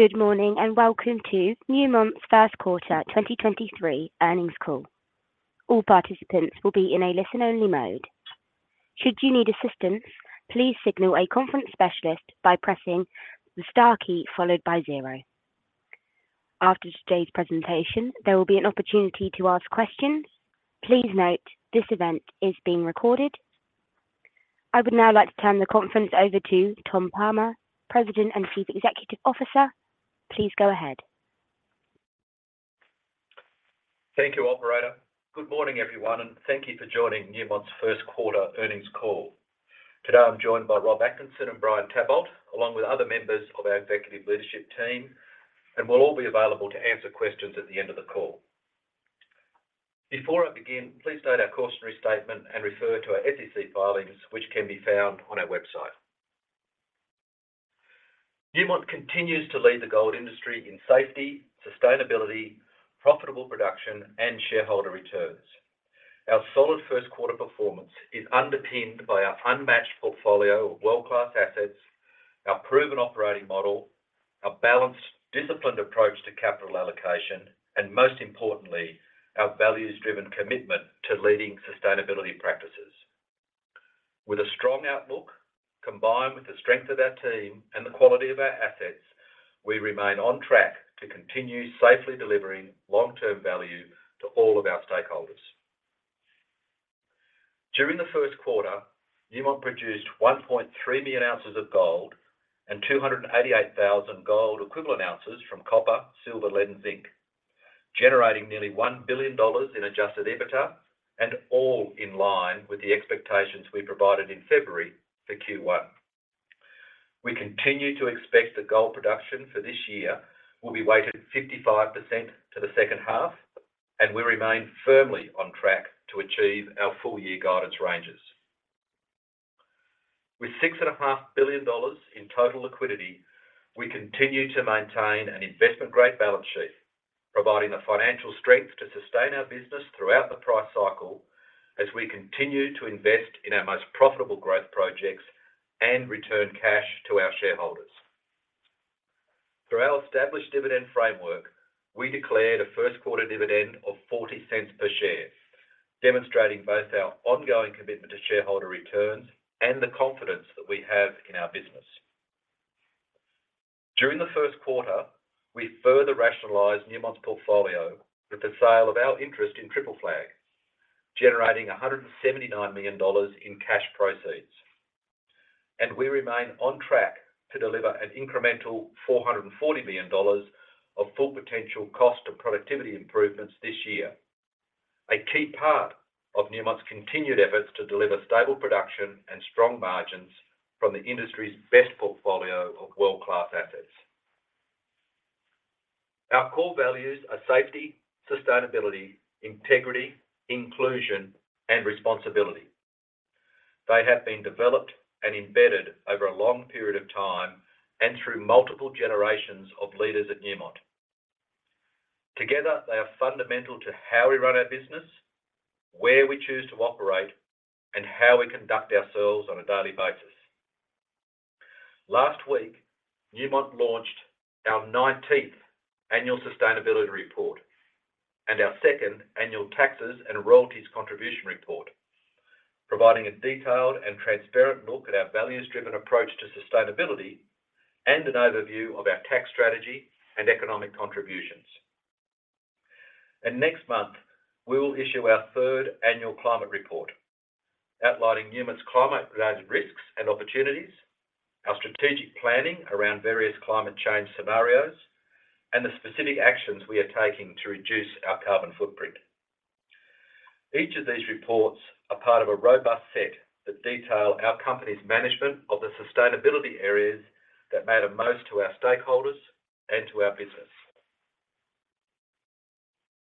Good morning and welcome to Newmont's First Quarter 2023 Earnings Call. All participants will be in a listen-only mode. Should you need assistance, please signal a conference specialist by pressing the star key followed by zero. After today's presentation, there will be an opportunity to ask questions. Please note this event is being recorded. I would now like to turn the conference over to Tom Palmer, President and Chief Executive Officer. Please go ahead. Thank you, operator. Good morning, everyone, and thank you for joining Newmont's First Quarter Earnings Call. Today I'm joined by Rob Atkinson and Brian Tabolt, along with other members of our executive leadership team, and we'll all be available to answer questions at the end of the call. Before I begin, please note our cautionary statement and refer to our SEC filings, which can be found on our website. Newmont continues to lead the gold industry in safety, sustainability, profitable production and shareholder returns. Our solid first-quarter performance is underpinned by our unmatched portfolio of world-class assets, our proven operating model, our balanced, disciplined approach to capital allocation, and most importantly, our values-driven commitment to leading sustainability practices. With a strong outlook, combined with the strength of our team and the quality of our assets, we remain on track to continue safely delivering long-term value to all of our stakeholders. During the first quarter, Newmont produced 1.3 million ounces of gold and 288,000 gold equivalent ounces from copper, silver, lead and zinc, generating nearly $1 billion in adjusted EBITDA and all in line with the expectations we provided in February for Q1. We continue to expect that gold production for this year will be weighted 55% to the second half, and we remain firmly on track to achieve our full year guidance ranges. With six and a half billion dollars in total liquidity, we continue to maintain an investment-grade balance sheet, providing the financial strength to sustain our business throughout the price cycle as we continue to invest in our most profitable growth projects and return cash to our shareholders. Through our established dividend framework, we declared a first quarter dividend of $0.40 per share, demonstrating both our ongoing commitment to shareholder returns and the confidence that we have in our business. During the first quarter, we further rationalized Newmont's portfolio with the sale of our interest in Triple Flag, generating $179 million in cash proceeds. We remain on track to deliver an incremental $440 million of Full Potential cost and productivity improvements this year, a key part of Newmont's continued efforts to deliver stable production and strong margins from the industry's best portfolio of world-class assets. Our core values are safety, sustainability, integrity, inclusion and responsibility. They have been developed and embedded over a long period of time and through multiple generations of leaders at Newmont. Together, they are fundamental to how we run our business, where we choose to operate, and how we conduct ourselves on a daily basis. Last week, Newmont launched our 19th Annual Sustainability Report and our 2nd Annual Taxes and Royalties Contribution Report, providing a detailed and transparent look at our values-driven approach to sustainability and an overview of our tax strategy and economic contributions. Next month, we will issue our Third Annual Climate Report, outlining Newmont's climate-related risks and opportunities, our strategic planning around various climate change scenarios, and the specific actions we are taking to reduce our carbon footprint. Each of these reports are part of a robust set that detail our company's management of the sustainability areas that matter most to our stakeholders and to our business.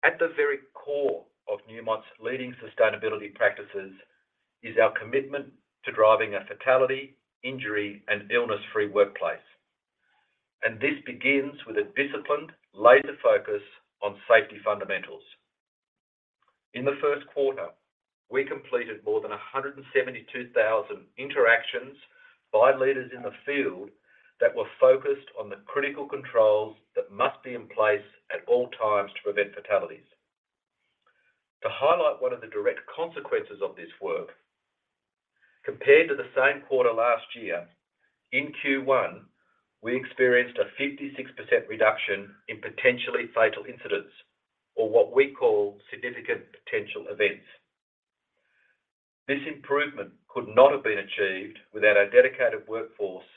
At the very core of Newmont's leading sustainability practices is our commitment to driving a fatality, injury and illness-free workplace. This begins with a disciplined, laser focus on safety fundamentals. In the first quarter, we completed more than 172,000 interactions by leaders in the field that were focused on the Critical Controls that must be in place at all times to prevent fatalities. To highlight one of the direct consequences of this work, compared to the same quarter last year, in Q1, we experienced a 56% reduction in potentially fatal incidents, or what we call significant potential events. This improvement could not have been achieved without our dedicated workforce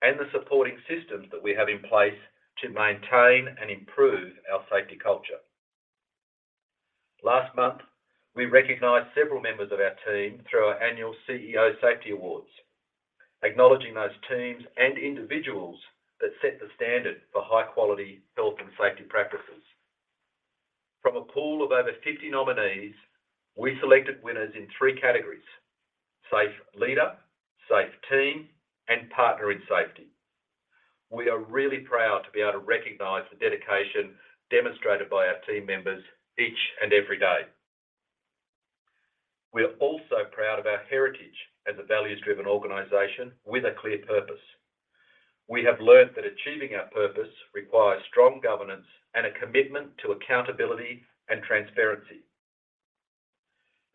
and the supporting systems that we have in place to maintain and improve our safety culture. Last month, we recognized several members of our team through our annual CEO Safety Awards, acknowledging those teams and individuals that set the standard for high-quality health and safety practices. From a pool of over 50 nominees, we selected winners in three categories: Safe Leader, Safe Team, and Partner in Safety. We are really proud to be able to recognize the dedication demonstrated by our team members each and every day. We are also proud of our heritage as a values-driven organization with a clear purpose. We have learned that achieving our purpose requires strong governance and a commitment to accountability and transparency.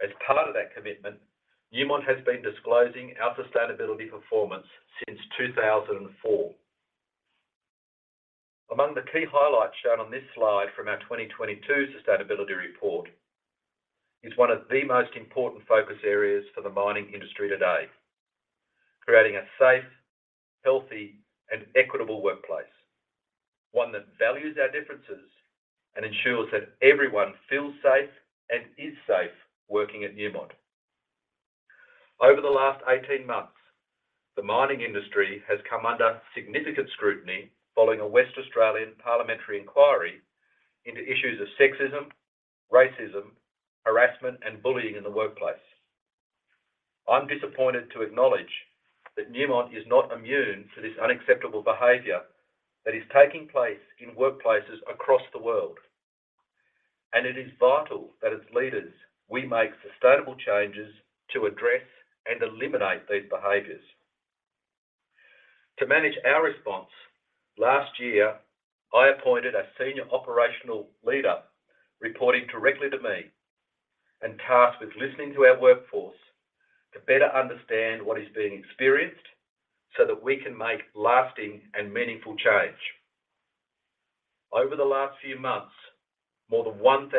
As part of that commitment, Newmont has been disclosing our sustainability performance since 2004. Among the key highlights shown on this slide from our 2022 Sustainability Report is one of the most important focus areas for the mining industry today, creating a safe, healthy, and equitable workplace. One that values our differences and ensures that everyone feels safe and is safe working at Newmont. Over the last 18 months, the mining industry has come under significant scrutiny following a West Australian parliamentary inquiry into issues of sexism, racism, harassment, and bullying in the workplace. I'm disappointed to acknowledge that Newmont is not immune to this unacceptable behavior that is taking place in workplaces across the world. It is vital that as leaders, we make sustainable changes to address and eliminate these behaviors. To manage our response, last year, I appointed a Senior Operational Leader reporting directly to me and tasked with listening to our workforce to better understand what is being experienced so that we can make lasting and meaningful change. Over the last few months, more than 1,000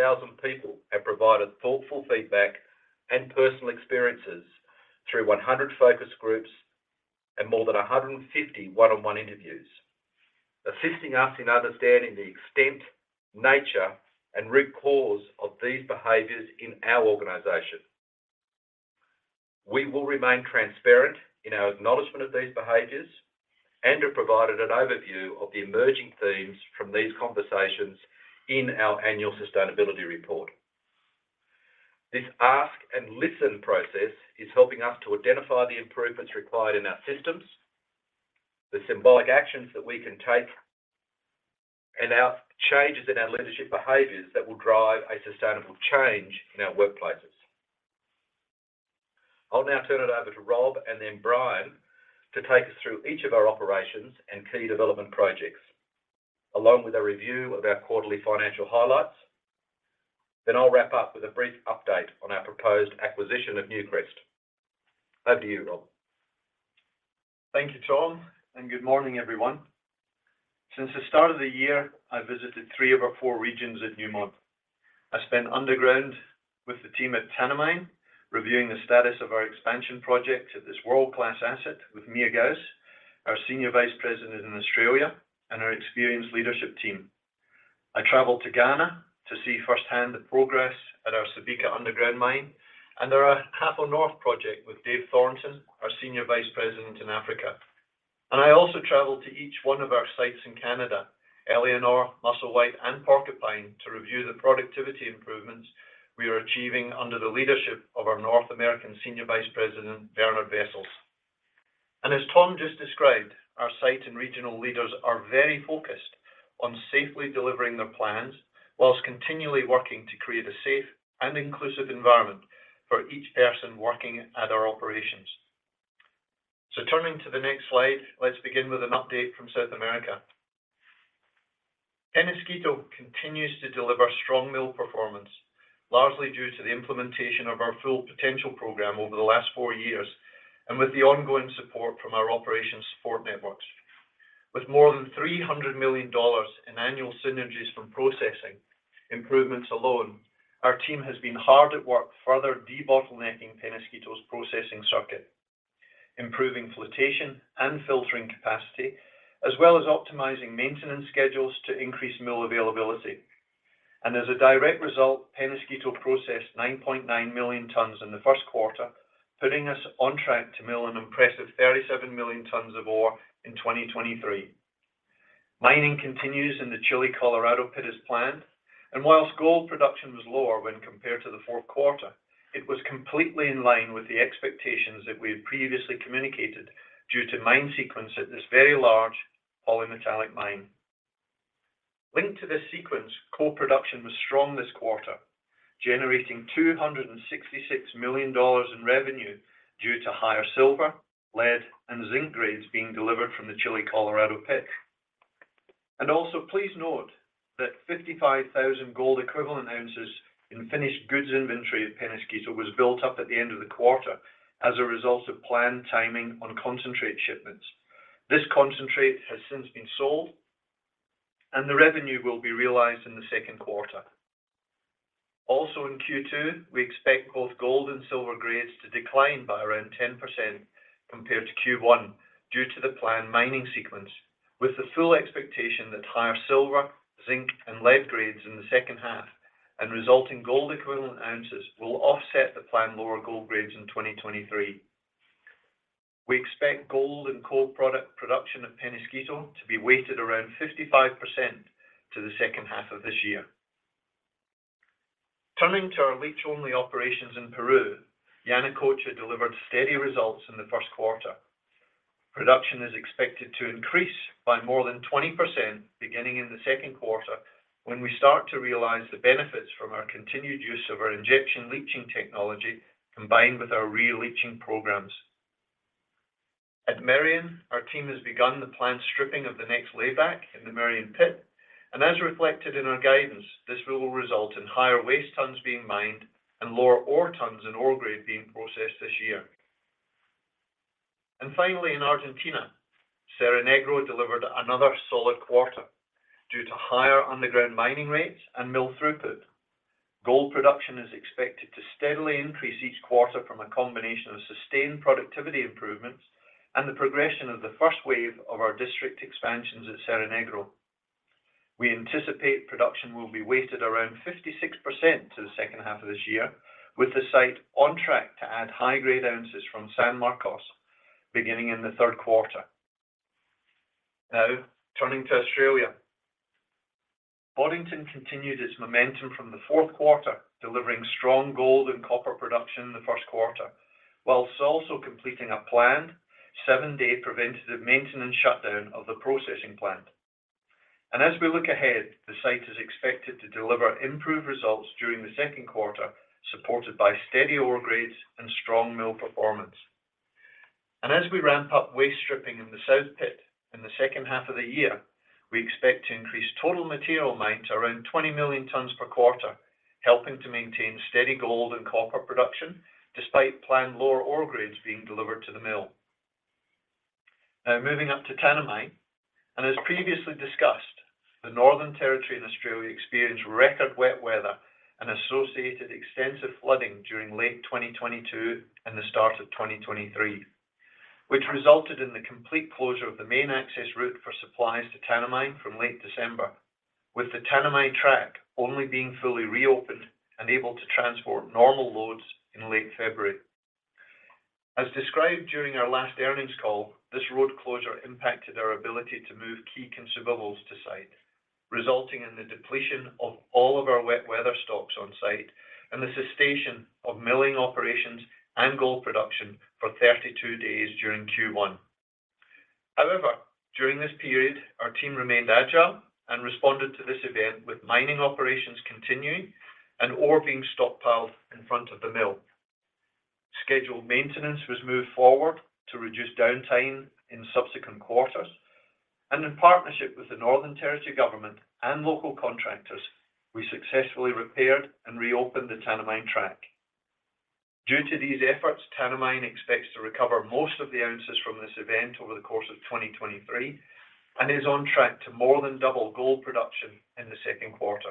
people have provided thoughtful feedback and personal experiences through 100 focus groups and more than 150 one-on-one interviews, assisting us in understanding the extent, nature, and root cause of these behaviors in our organization. We will remain transparent in our acknowledgment of these behaviors and have provided an overview of the emerging themes from these conversations in our Annual Sustainability Report. This ask and listen process is helping us to identify the improvements required in our systems, the symbolic actions that we can take, and our changes in our leadership behaviors that will drive a sustainable change in our workplaces. I'll now turn it over to Rob and then Brian to take us through each of our operations and key development projects, along with a review of our quarterly financial highlights. I'll wrap up with a brief update on our proposed acquisition of Newcrest. Over to you, Rob. Thank you, Tom, and good morning, everyone. Since the start of the year, I visited three of our four regions at Newmont. I spent underground with the team at Tanami, reviewing the status of our expansion project at this world-class asset with Mia Gous, our Senior Vice President in Australia, and our experienced leadership team. I traveled to Ghana to see firsthand the progress at our Subika underground mine and our Ahafo North project with Dave Thornton, our Senior Vice President in Africa. I also traveled to each one of our sites in Canada, Eleonore, Musselwhite, and Porcupine, to review the productivity improvements we are achieving under the leadership of our North American Senior Vice President, Bernard Wessels. As Tom just described, our site and regional leaders are very focused on safely delivering their plans while continually working to create a safe and inclusive environment for each person working at our operations. Turning to the next slide, let's begin with an update from South America. Peñasquito continues to deliver strong mill performance, largely due to the implementation of our Full Potential program over the last four years and with the ongoing support from our operations support networks. With more than $300 million in annual synergies from processing improvements alone, our team has been hard at work further debottlenecking Peñasquito's processing circuit, improving flotation and filtering capacity, as well as optimizing maintenance schedules to increase mill availability. As a direct result, Peñasquito processed 9.9 million tons in the first quarter, putting us on track to mill an impressive 37 million tons of ore in 2023. Mining continues in the Chile Colorado pit as planned. Whilst gold production was lower when compared to the fourth quarter, it was completely in line with the expectations that we had previously communicated due to mine sequence at this very large polymetallic mine. Linked to this sequence, coal production was strong this quarter, generating $266 million in revenue due to higher silver, lead, and zinc grades being delivered from the Chile Colorado pit. Also, please note that 55,000 gold equivalent ounces in finished goods inventory at Peñasquito was built up at the end of the quarter as a result of planned timing on concentrate shipments. This concentrate has since been sold, and the revenue will be realized in the second quarter. Also in Q2, we expect both gold and silver grades to decline by around 10% compared to Q1 due to the planned mining sequence, with the full expectation that higher silver, zinc, and lead grades in the second half and resulting gold equivalent ounces will offset the planned lower gold grades in 2023. We expect gold and coal product production at Peñasquito to be weighted around 55% to the second half of this year. Turning to our leach only operations in Peru, Yanacocha delivered steady results in the first quarter. Production is expected to increase by more than 20% beginning in the second quarter, when we start to realize the benefits from our continued use of our injection leaching technology combined with our releaching programs. At Merian, our team has begun the planned stripping of the next layback in the Merian pit, and as reflected in our guidance, this will result in higher waste tonnes being mined and lower ore tonnes and ore grade being processed this year. Finally, in Argentina, Cerro Negro delivered another solid quarter due to higher underground mining rates and mill throughput. Gold production is expected to steadily increase each quarter from a combination of sustained productivity improvements and the progression of the first wave of our district expansions at Cerro Negro. We anticipate production will be weighted around 56% to the second half of this year, with the site on track to add high-grade ounces from San Marcos beginning in the third quarter. Now, turning to Australia. Boddington continued its momentum from the fourth quarter, delivering strong gold and copper production in the first quarter, whilst also completing a planned seven-day preventative maintenance shutdown of the processing plant. As we look ahead, the site is expected to deliver improved results during the second quarter, supported by steady ore grades and strong mill performance. As we ramp up waste stripping in the South Pit in the second half of the year, we expect to increase total material mined to around 20 million tonnes per quarter, helping to maintain steady gold and copper production despite planned lower ore grades being delivered to the mill. Moving up to Tanami, as previously discussed, the Northern Territory in Australia experienced record wet weather and associated extensive flooding during late 2022 and the start of 2023, which resulted in the complete closure of the main access route for supplies to Tanami from late December, with the Tanami track only being fully reopened and able to transport normal loads in late February. As described during our last earnings call, this road closure impacted our ability to move key consumables to site, resulting in the depletion of all of our wet weather stocks on site and the cessation of milling operations and gold production for 32 days during Q1. However, during this period, our team remained agile and responded to this event with mining operations continuing and ore being stockpiled in front of the mill. Scheduled maintenance was moved forward to reduce downtime in subsequent quarters, and in partnership with the Northern Territory government and local contractors, we successfully repaired and reopened the Tanami track. Due to these efforts, Tanami expects to recover most of the ounces from this event over the course of 2023 and is on track to more than double gold production in the second quarter.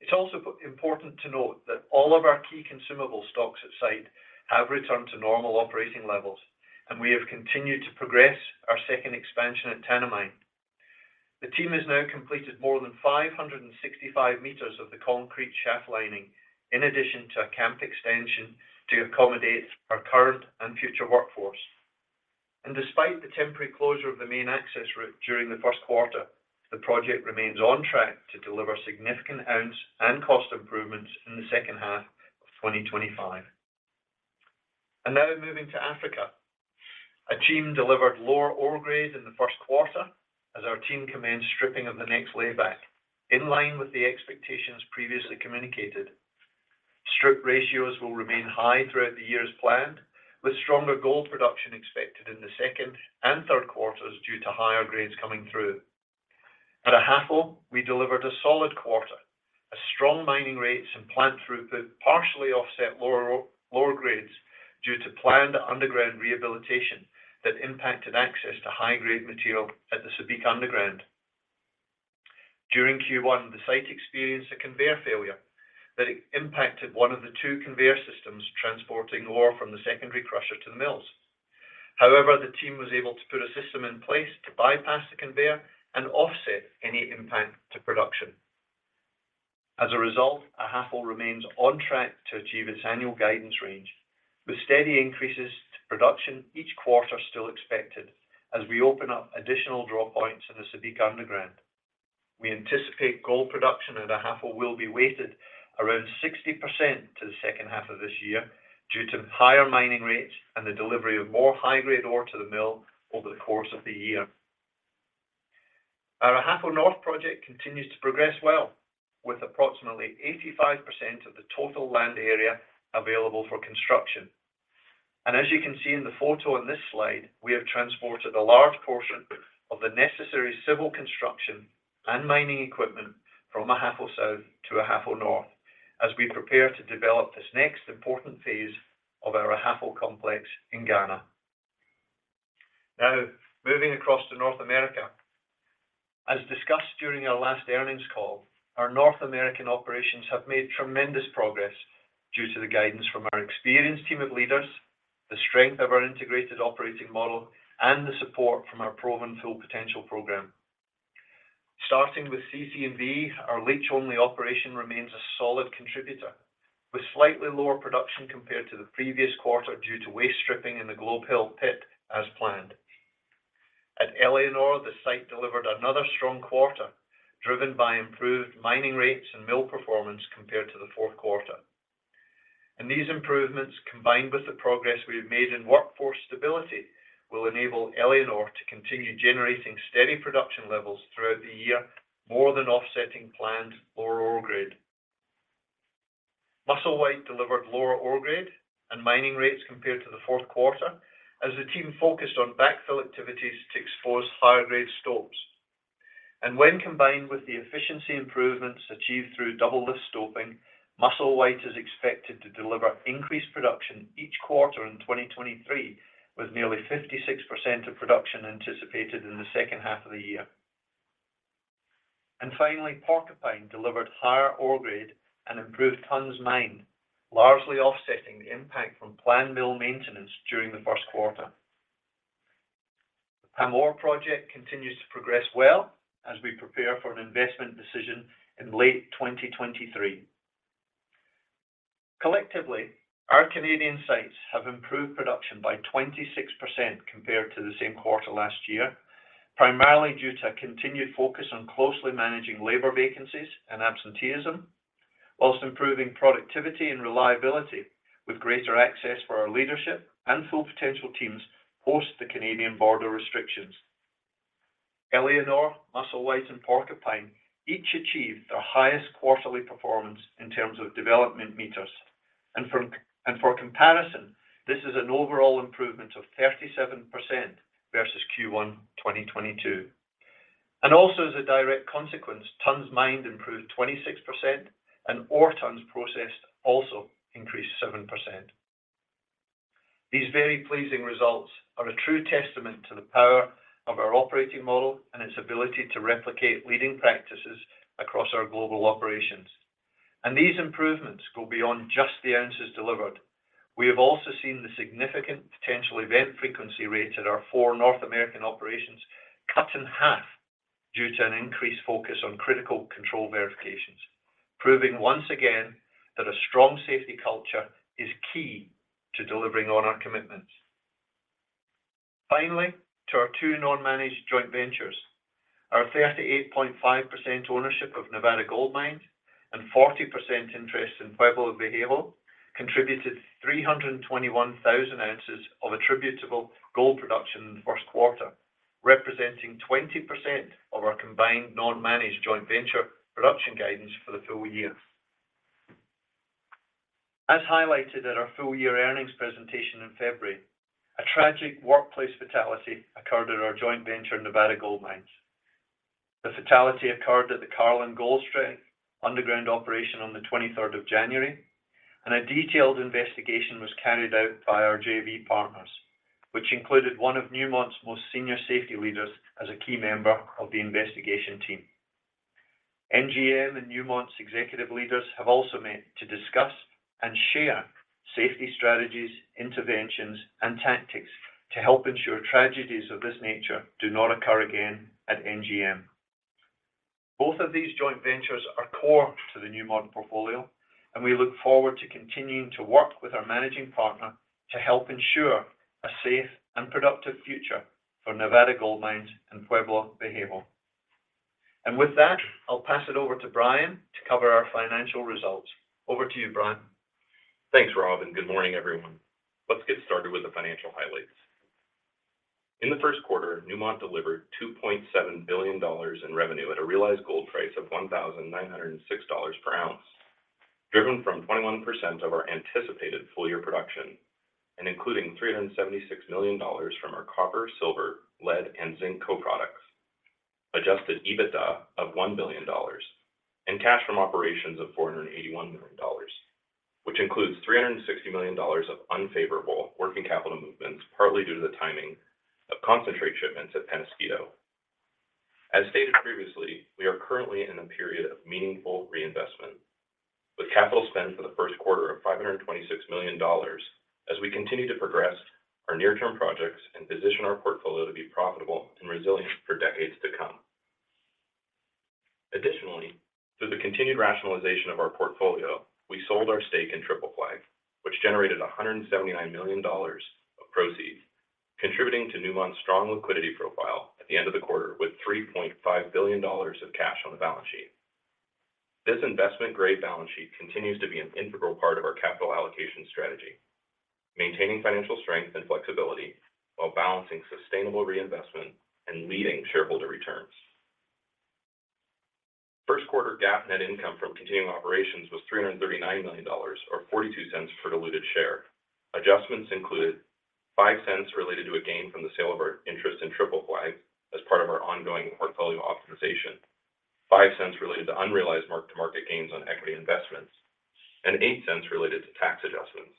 It's also important to note that all of our key consumable stocks at site have returned to normal operating levels, and we have continued to progress our second expansion at Tanami. The team has now completed more than 565 meters of the concrete shaft lining in addition to a camp extension to accommodate our current and future workforce. Despite the temporary closure of the main access route during the first quarter, the project remains on track to deliver significant ounce and cost improvements in the second half of 2025. Now moving to Africa. Akyem delivered lower ore grade in the first quarter as our team commenced stripping of the next layback in line with the expectations previously communicated. Strip ratios will remain high throughout the years planned, with stronger gold production expected in the second and third quarters due to higher grades coming through. At Ahafo, we delivered a solid quarter. A strong mining rates and plant throughput partially offset lower grades due to planned underground rehabilitation that impacted access to high-grade material at the Subika underground. During Q1, the site experienced a conveyor failure that impacted 1 of the 2 conveyor systems transporting ore from the secondary crusher to the mills. The team was able to put a system in place to bypass the conveyor and offset any impact to production. As a result, Ahafo remains on track to achieve its annual guidance range, with steady increases to production each quarter still expected as we open up additional draw points in the Subika underground. We anticipate gold production at Ahafo will be weighted around 60% to the second half of this year due to higher mining rates and the delivery of more high-grade ore to the mill over the course of the year. Our Ahafo North project continues to progress well, with approximately 85% of the total land area available for construction. As you can see in the photo on this slide, we have transported a large portion of the necessary civil construction and mining equipment from Ahafo South to Ahafo North as we prepare to develop this next important phase of our Ahafo complex in Ghana. Now, moving across to North America. As discussed during our last earnings call, our North American operations have made tremendous progress due to the guidance from our experienced team of leaders, the strength of our integrated operating model, and the support from our proven Full Potential program. Starting with CC&V, our leach-only operation remains a solid contributor, with slightly lower production compared to the previous quarter due to waste stripping in the Globe Hill pit as planned. At Eleonore, the site delivered another strong quarter, driven by improved mining rates and mill performance compared to the fourth quarter. These improvements, combined with the progress we have made in workforce stability, will enable Eleonore to continue generating steady production levels throughout the year, more than offsetting planned lower ore grade. Musselwhite delivered lower ore grade and mining rates compared to the fourth quarter as the team focused on backfill activities to expose higher grade stopes. When combined with the efficiency improvements achieved through double lift stoping, Musselwhite is expected to deliver increased production each quarter in 2023, with nearly 56% of production anticipated in the second half of the year. Finally, Porcupine delivered higher ore grade and improved tonnes mined, largely offsetting the impact from planned mill maintenance during the first quarter. The Pamour project continues to progress well as we prepare for an investment decision in late 2023. Collectively, our Canadian sites have improved production by 26% compared to the same quarter last year, primarily due to a continued focus on closely managing labor vacancies and absenteeism, whilst improving productivity and reliability with greater access for our leadership and Full Potential teams post the Canadian border restrictions. Eleonore, Musselwhite, and Porcupine each achieved their highest quarterly performance in terms of development meters. For comparison, this is an overall improvement of 37% versus Q1 2022. Also as a direct consequence, tonnes mined improved 26% and ore tonnes processed also increased 7%. These very pleasing results are a true testament to the power of our operating model and its ability to replicate leading practices across our global operations. These improvements go beyond just the ounces delivered. We have also seen the significant potential event frequency rates at our four North American operations cut in half due to an increased focus on Critical Control Verifications, proving once again that a strong safety culture is key to delivering on our commitments. To our two non-managed joint ventures, our 38.5% ownership of Nevada Gold Mines and 40% interest in Pueblo Viejo contributed 321,000 ounces of attributable gold production in the first quarter, representing 20% of our combined non-managed joint venture production guidance for the full year. As highlighted at our full year earnings presentation in February, a tragic workplace fatality occurred at our joint venture, Nevada Gold Mines. The fatality occurred at the Carlin Goldstrike underground operation on the 23rd of January. A detailed investigation was carried out by our JV partners, which included one of Newmont's most senior safety leaders as a key member of the investigation team. NGM and Newmont's executive leaders have also met to discuss and share safety strategies, interventions, and tactics to help ensure tragedies of this nature do not occur again at NGM. Both of these joint ventures are core to the Newmont portfolio, and we look forward to continuing to work with our managing partner to help ensure a safe and productive future for Nevada Gold Mines and Pueblo Viejo. With that, I'll pass it over to Brian to cover our financial results. Over to you, Brian. Thanks, Rob, and good morning, everyone. Let's get started with the financial highlights. In the first quarter, Newmont delivered $2.7 billion in revenue at a realized gold price of $1,906 per ounce, driven from 21% of our anticipated full year production and including $376 million from our copper, silver, lead, and zinc co-products, adjusted EBITDA of $1 billion and cash from operations of $481 million, which includes $360 million of unfavorable working capital movements, partly due to the timing of concentrate shipments at Peñasquito. As stated previously, we are currently in a period of meaningful reinvestment, with capital spend for the first quarter of $526 million as we continue to progress our near-term projects and position our portfolio to be profitable and resilient for decades to come. Additionally, through the continued rationalization of our portfolio, we sold our stake in Triple Flag, which generated $179 million of proceeds, contributing to Newmont's strong liquidity profile at the end of the quarter with $3.5 billion of cash on the balance sheet. This investment-grade balance sheet continues to be an integral part of our capital allocation strategy, maintaining financial strength and flexibility while balancing sustainable reinvestment and leading shareholder returns. First quarter GAAP net income from continuing operations was $339 million, or $0.42 per diluted share. Adjustments included $0.05 related to a gain from the sale of our interest in Triple Flag as part of our ongoing portfolio optimization, $0.05 related to unrealized mark-to-market gains on equity investments, and $0.08 related to tax adjustments.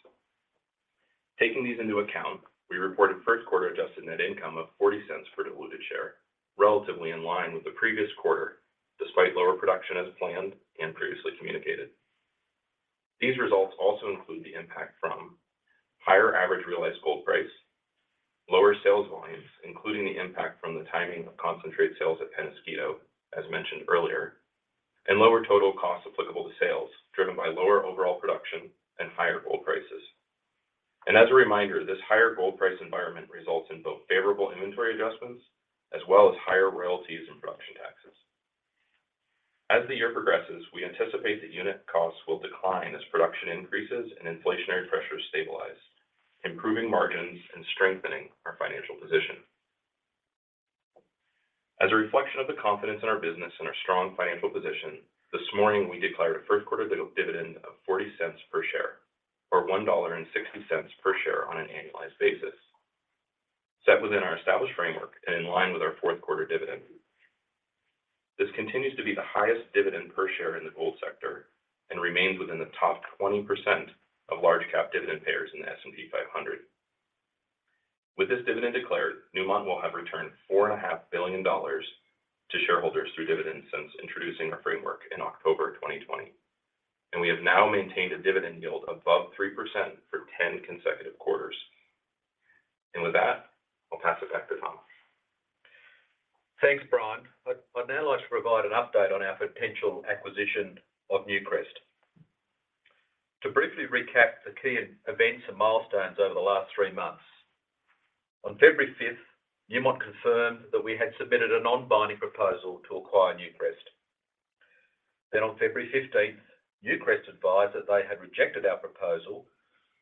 Taking these into account, we reported first quarter adjusted net income of $0.40 per diluted share, relatively in line with the previous quarter, despite lower production as planned and previously communicated. These results also include the impact from higher average realized gold price, lower sales volumes, including the impact from the timing of concentrate sales at Peñasquito, as mentioned earlier, and lower total costs applicable to sales, driven by lower overall production and higher gold prices. As a reminder, this higher gold price environment results in both favorable inventory adjustments as well as higher royalties and production taxes. As the year progresses, we anticipate that unit costs will decline as production increases and inflationary pressures stabilize, improving margins and strengthening our financial position. As a reflection of the confidence in our business and our strong financial position, this morning we declared a first quarter dividend of $0.40 per share, or $1.60 per share on an annualized basis. Set within our established framework and in line with our fourth quarter dividend, this continues to be the highest dividend per share in the gold sector and remains within the top 20% of large cap dividend payers in the S&P 500. With this dividend declared, Newmont will have returned $4.5 billion to shareholders through dividends since introducing our framework in October 2020, and we have now maintained a dividend yield above 3% for 10 consecutive quarters. With that, I'll pass it back to Tom. Thanks, Brian. I'd now like to provide an update on our potential acquisition of Newcrest. To briefly recap the key and events and milestones over the last 3 months. On February 5, Newmont confirmed that we had submitted a non-binding proposal to acquire Newcrest. On February 15, Newcrest advised that they had rejected our proposal,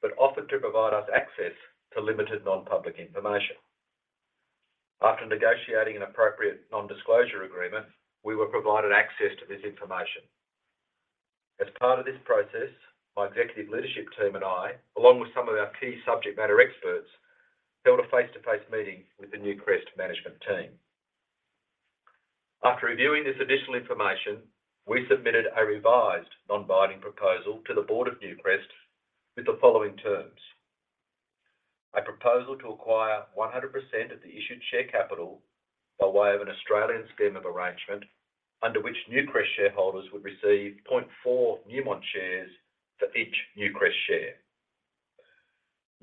but offered to provide us access to limited non-public information. After negotiating an appropriate non-disclosure agreement, we were provided access to this information. As part of this process, my executive leadership team and I, along with some of our key subject matter experts, held a face-to-face meeting with the Newcrest management team. After reviewing this additional information, we submitted a revised non-binding proposal to the board of Newcrest with the following terms: A proposal to acquire 100% of the issued share capital by way of an Australian scheme of arrangement under which Newcrest shareholders would receive 0.4 Newmont shares for each Newcrest share.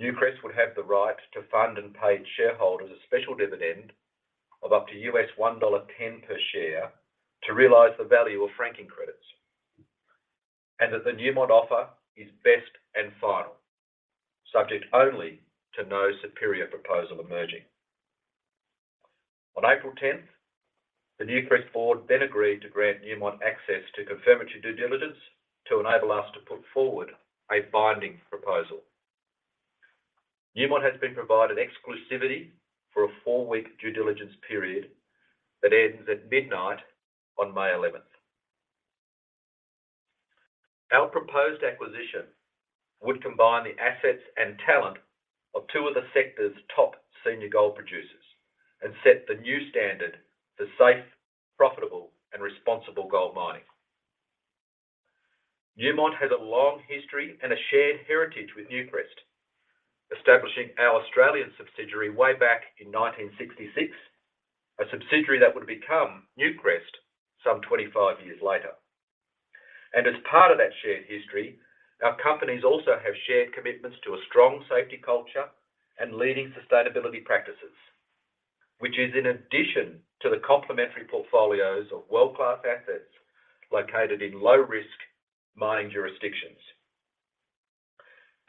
Newcrest would have the right to fund and pay its shareholders a special dividend of up to $1.10 per share to realize the value of franking credits. That the Newmont offer is best and final, subject only to no superior proposal emerging. On April 10th, the Newcrest board then agreed to grant Newmont access to confirmatory due diligence to enable us to put forward a binding proposal. Newmont has been provided exclusivity for a four-week due diligence period that ends at midnight on May 11th. Our proposed acquisition would combine the assets and talent of two of the sector's top senior gold producers and set the new standard for safe, profitable and responsible gold mining. Newmont has a long history and a shared heritage with Newcrest, establishing our Australian subsidiary way back in 1966, a subsidiary that would become Newcrest some 25 years later. As part of that shared history, our companies also have shared commitments to a strong safety culture and leading sustainability practices, which is in addition to the complementary portfolios of world-class assets located in low-risk mining jurisdictions.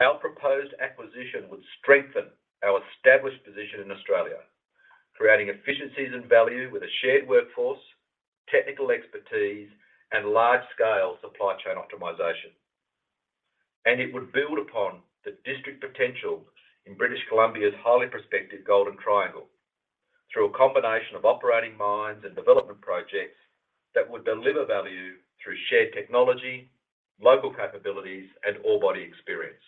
Our proposed acquisition would strengthen our established position in Australia, creating efficiencies and value with a shared workforce, technical expertise and large-scale supply chain optimization. It would build upon the district potential in British Columbia's highly prospective Golden Triangle through a combination of operating mines and development projects that would deliver value through shared technology, local capabilities and ore body experience.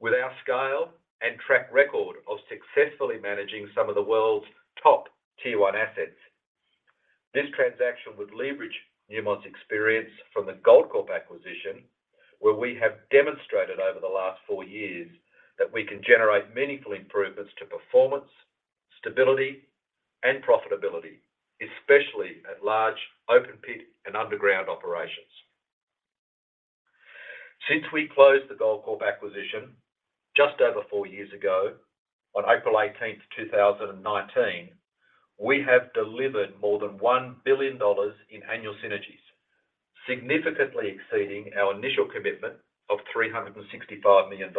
With our scale and track record of successfully managing some of the world's top Tier 1 assets, this transaction would leverage Newmont's experience from the Goldcorp acquisition, where we have demonstrated over the last four years that we can generate meaningful improvements to performance, stability and profitability, especially at large open pit and underground operations. Since we closed the Goldcorp acquisition just over 4 years ago on April 18, 2019, we have delivered more than $1 billion in annual synergies, significantly exceeding our initial commitment of $365 million.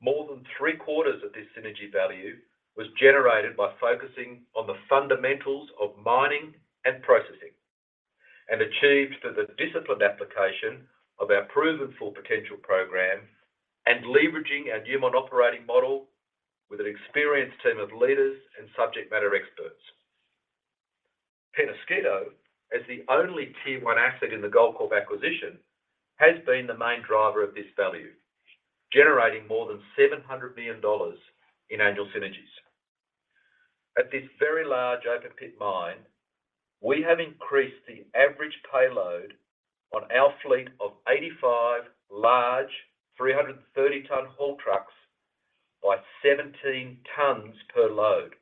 More than three-quarters of this synergy value was generated by focusing on the fundamentals of mining and processing and achieved through the disciplined application of our proven Full Potential program and leveraging our Newmont operating model with an experienced team of leaders and subject matter experts. Peñasquito, as the only Tier 1 asset in the Goldcorp acquisition, has been the main driver of this value, generating more than $700 million in annual synergies. At this very large open-pit mine, we have increased the average payload on our fleet of 85 large 330-ton haul trucks by 17 tons per load,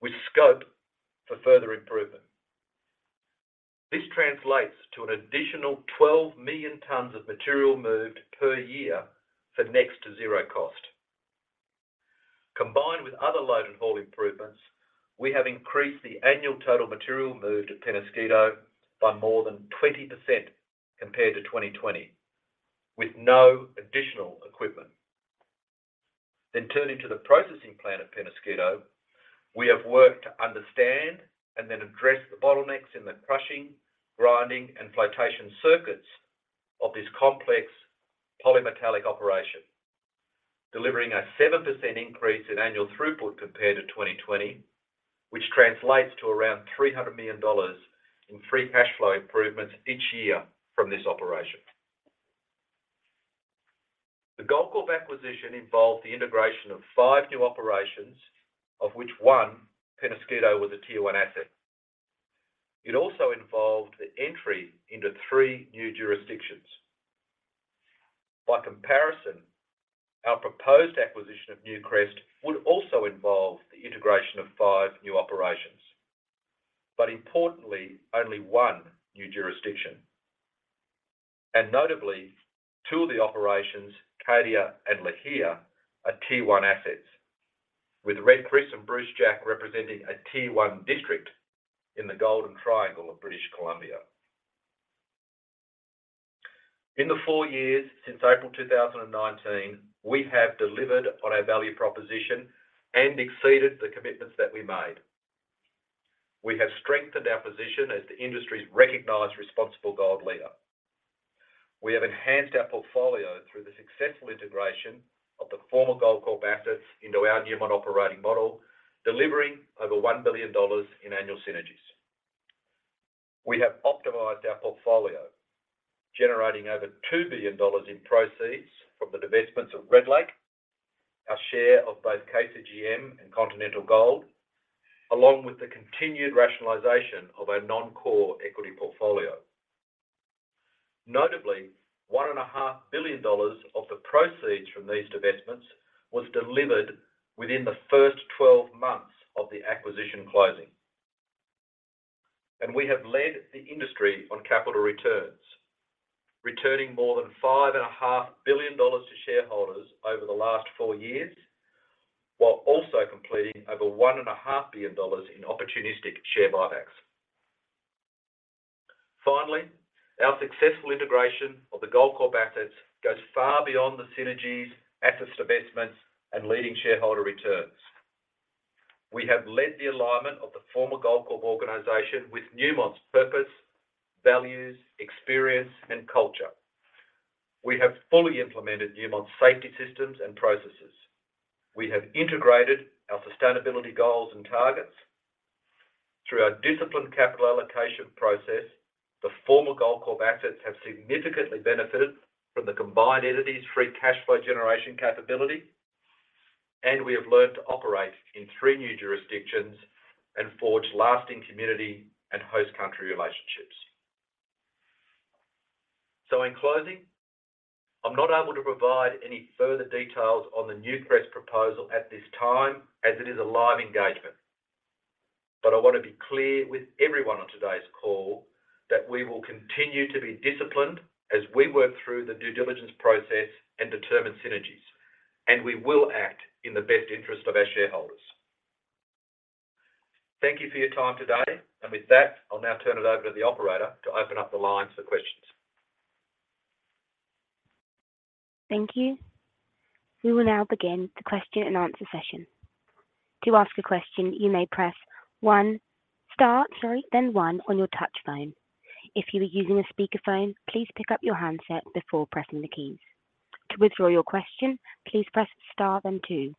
with scope for further improvement. This translates to an additional 12 million tons of material moved per year for next to zero cost. With other load and haul improvements, we have increased the annual total material moved at Peñasquito by more than 20% compared to 2020, with no additional equipment. Turning to the processing plant at Peñasquito, we have worked to understand and then address the bottlenecks in the crushing, grinding, and flotation circuits of this complex polymetallic operation, delivering a 7% increase in annual throughput compared to 2020, which translates to around $300 million in free cash flow improvements each year from this operation. The Goldcorp acquisition involved the integration of five new operations, of which one, Peñasquito, was a Tier 1 asset. It also involved the entry into 3 new jurisdictions. By comparison, our proposed acquisition of Newcrest would also involve the integration of five new operations, importantly, only one new jurisdiction. Notably, two of the operations, Cadia and Lihir, are Tier 1 assets, with Red Chris and Brucejack representing a Tier 1 district in the Golden Triangle of British Columbia. In the four years since April 2019, we have delivered on our value proposition and exceeded the commitments that we made. We have strengthened our position as the industry's recognized responsible gold leader. We have enhanced our portfolio through the successful integration of the former Goldcorp assets into our Newmont operating model, delivering over $1 billion in annual synergies. We have optimized our portfolio, generating over $2 billion in proceeds from the divestments of Red Lake, our share of both KCGM and Continental Gold, along with the continued rationalization of our non-core equity portfolio. Notably, one and a half billion dollars of the proceeds from these divestments was delivered within the first 12 months of the acquisition closing. We have led the industry on capital returns, returning more than five and a half billion dollars to shareholders over the last 4 years, while also completing over one and a half billion in opportunistic share buybacks. Finally, our successful integration of the Goldcorp assets goes far beyond the synergies, asset divestments, and leading shareholder returns. We have led the alignment of the former Goldcorp organization with Newmont's purpose, values, experience, and culture. We have fully implemented Newmont's safety systems and processes. We have integrated our sustainability goals and targets. Through our disciplined capital allocation process, the former Goldcorp assets have significantly benefited from the combined entities' free cash flow generation capability, and we have learned to operate in three new jurisdictions and forge lasting community and host country relationships. In closing, I'm not able to provide any further details on the Newcrest proposal at this time as it is a live engagement. I want to be clear with everyone on today's call that we will continue to be disciplined as we work through the due diligence process and determine synergies, and we will act in the best interest of our shareholders. Thank you for your time today. With that, I'll now turn it over to the operator to open up the lines for questions. Thank you. We will now begin the question and answer session. To ask a question, you may press star then one on your touch phone. If you are using a speaker phone, please pick up your handset before pressing the keys. To withdraw your question, please press star then two.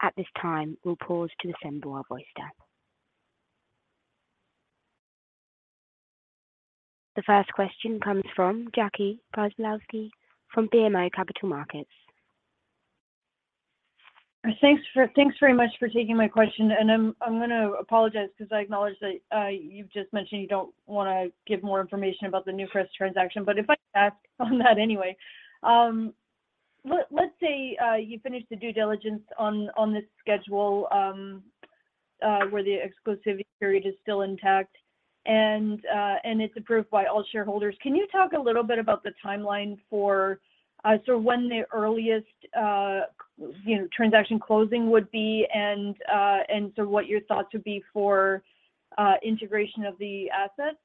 At this time, we will pause to assemble our voice stack. The first question comes from Jackie Przybylowski from BMO Capital Markets. Thanks very much for taking my question. I'm gonna apologize because I acknowledge that you've just mentioned you don't wanna give more information about the Newcrest transaction. If I ask on that anyway, let's say you finish the due diligence on this schedule, where the exclusivity period is still intact and it's approved by all shareholders. Can you talk a little bit about the timeline for sort of when the earliest, you know, transaction closing would be and sort of what your thoughts would be for integration of the assets?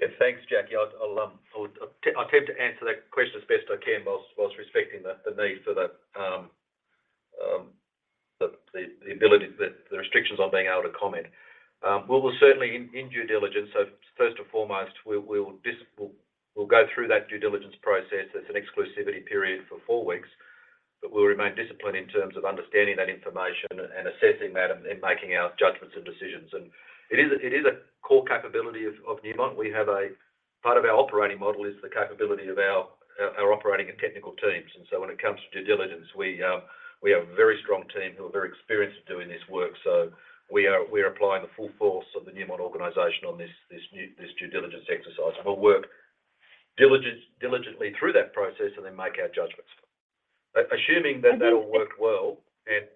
Yeah. Thanks, Jackie. I'll attempt to answer that question as best I can whilst respecting the need for the ability, the restrictions on being able to comment. We'll certainly in due diligence. First and foremost, we'll go through that due diligence process. There's an exclusivity period for four weeks, but we'll remain disciplined in terms of understanding that information and assessing that and making our judgments and decisions. It is a core capability of Newmont. We have part of our Operating Model is the capability of our operating and technical teams. When it comes to due diligence, we have a very strong team who are very experienced at doing this work. We're applying the full force of the Newmont organization on this due diligence exercise. We'll work diligently through that process and then make our judgments. Assuming that that will work well. Assuming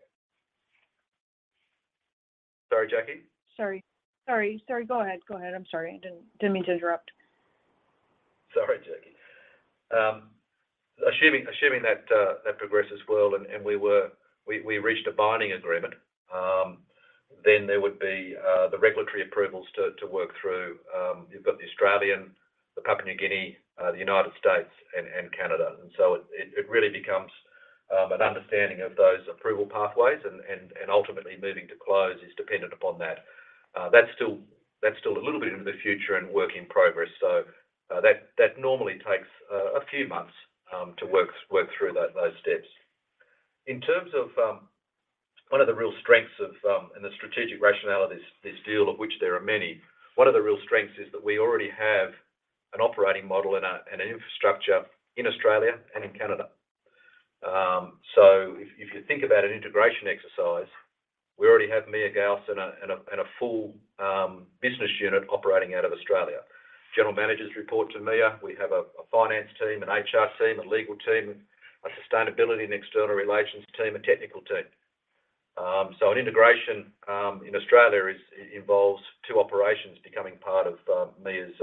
that progresses well and we reached a binding agreement, then there would be the regulatory approvals to work through. You've got the Australian, the Papua New Guinea, the United States and Canada. It really becomes an understanding of those approval pathways and ultimately moving to close is dependent upon that. That's still a little bit into the future and work in progress. That normally takes a few months to work through that, those steps. In terms of one of the real strengths of the strategic rationale of this deal, of which there are many, one of the real strengths is that we already have an operating model and an infrastructure in Australia and in Canada. If you think about an integration exercise, we already have Mia Gous and a full business unit operating out of Australia. General managers report to Mia. We have a finance team, an HR team, a legal team, a sustainability and external relations team, a technical team. An integration in Australia is, involves two operations becoming part of Mia's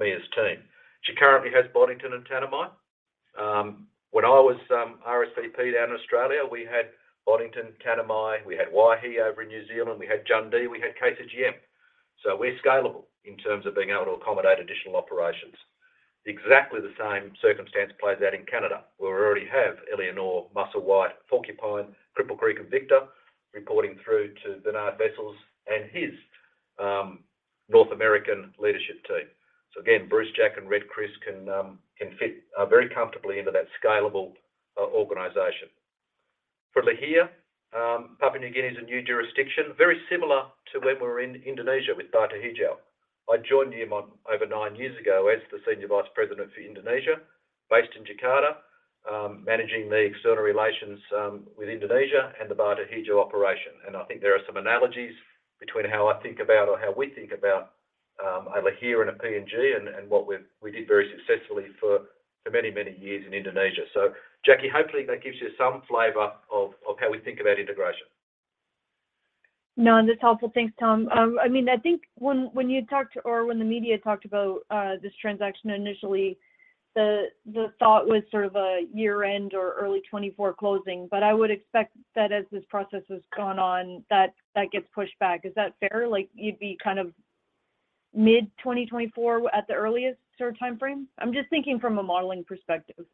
team. She currently has Boddington and Tanami. When I was RSVP down in Australia, we had Boddington, Tanami, we had Waihi over in New Zealand, we had Jundee, we had KCGM. We're scalable in terms of being able to accommodate additional operations. Exactly the same circumstance plays out in Canada, where we already have Eleonore, Musselwhite, Porcupine, Cripple Creek, and Victor reporting through to Bernard Wessels and his North American leadership team. Again, Brucejack and Red Chris can fit very comfortably into that scalable organization. For Lihir, Papua New Guinea is a new jurisdiction, very similar to when we were in Indonesia with Batu Hijau. I joined Newmont over nine years ago as the Senior Vice President for Indonesia, based in Jakarta, managing the external relations with Indonesia and the Batu Hijau operation. I think there are some analogies between how I think about or how we think about Lihir and PNG and what we did very successfully for many, many years in Indonesia. Jackie, hopefully that gives you some flavor of how we think about integration. No, that's helpful. Thanks, Tom. I mean, I think when you talked or when the media talked about this transaction initially, the thought was sort of a year-end or early 2024 closing. I would expect that as this process has gone on, that gets pushed back. Is that fair? Like, you'd be kind of mid-2024 at the earliest sort of time frame? I'm just thinking from a modeling perspective.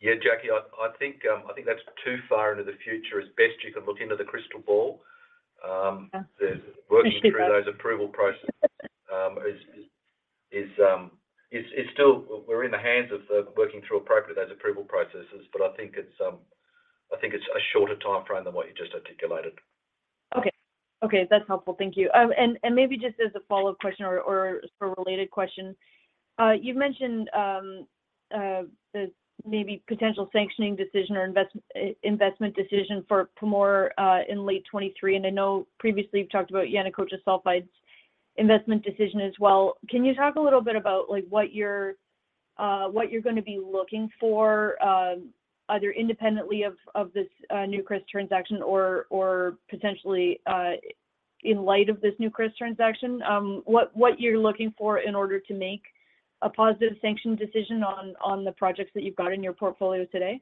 Yeah, Jackie, I think that's too far into the future as best you can look into the crystal ball. There's working through those approval processes, we're in the hands of working through those approval processes. I think it's a shorter time frame than what you just articulated. Okay. Okay. That's helpful. Thank you. Maybe just as a follow-up question or a related question. You've mentioned the maybe potential sanctioning decision or investment decision for Pamour in late 2023. I know previously you've talked about Yanacocha Sulfides investment decision as well. Can you talk a little bit about like what you're gonna be looking for, either independently of this Newcrest transaction or potentially in light of this Newcrest transaction? What you're looking for in order to make a positive sanction decision on the projects that you've got in your portfolio today?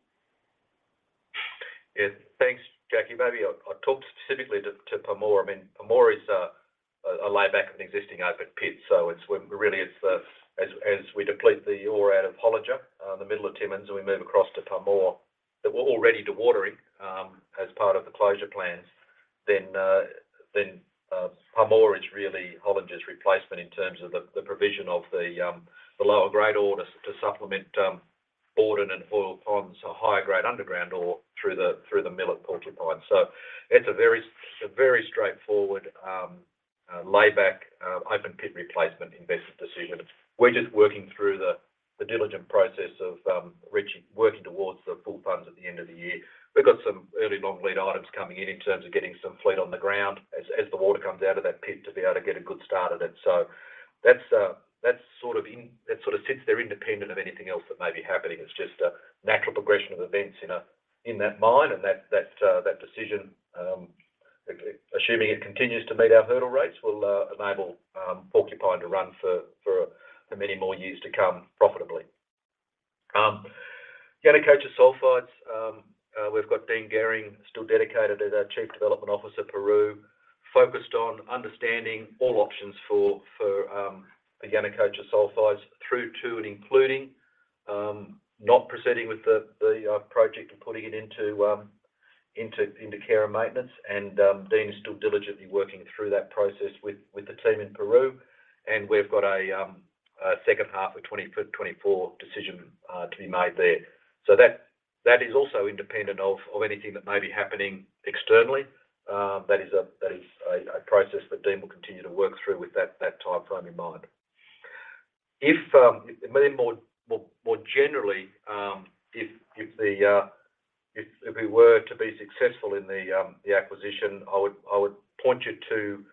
Thanks, Jackie. Maybe I'll talk specifically to Pamour. I mean, Pamour is a layback of an existing open pit. Really it's as we deplete the ore out of Hollinger in the middle of Timmins, and we move across to Pamour, that we're already dewatering as part of the closure plans, then Pamour is really Hollinger's replacement in terms of the provision of the lower grade ore to supplement Borden and Hoyle Pond or higher grade underground ore through the mill at Porcupine. It's a very straightforward layback open pit replacement investment decision. We're just working through the diligent process of working towards the full funds at the end of the year. We've got some early long lead items coming in in terms of getting some fleet on the ground as the water comes out of that pit to be able to get a good start at it. That sort of sits there independent of anything else that may be happening. It's just a natural progression of events in that mine, and that decision, assuming it continues to meet our hurdle rates, will enable Porcupine to run for many more years to come profitably. Yanacocha Sulfides, we've got Dean Gehring still dedicated as our Chief Development Officer, Peru, focused on understanding all options for the Yanacocha Sulfides through to and including not proceeding with the project and putting it into care and maintenance. Dean is still diligently working through that process with the team in Peru. We've got a second-half-of-2024 decision to be made there. That is also independent of anything that may be happening externally. That is a process that Dean will continue to work through with that time frame in mind. If, I mean, more generally, if the, if we were to be successful in the acquisition, I would point you to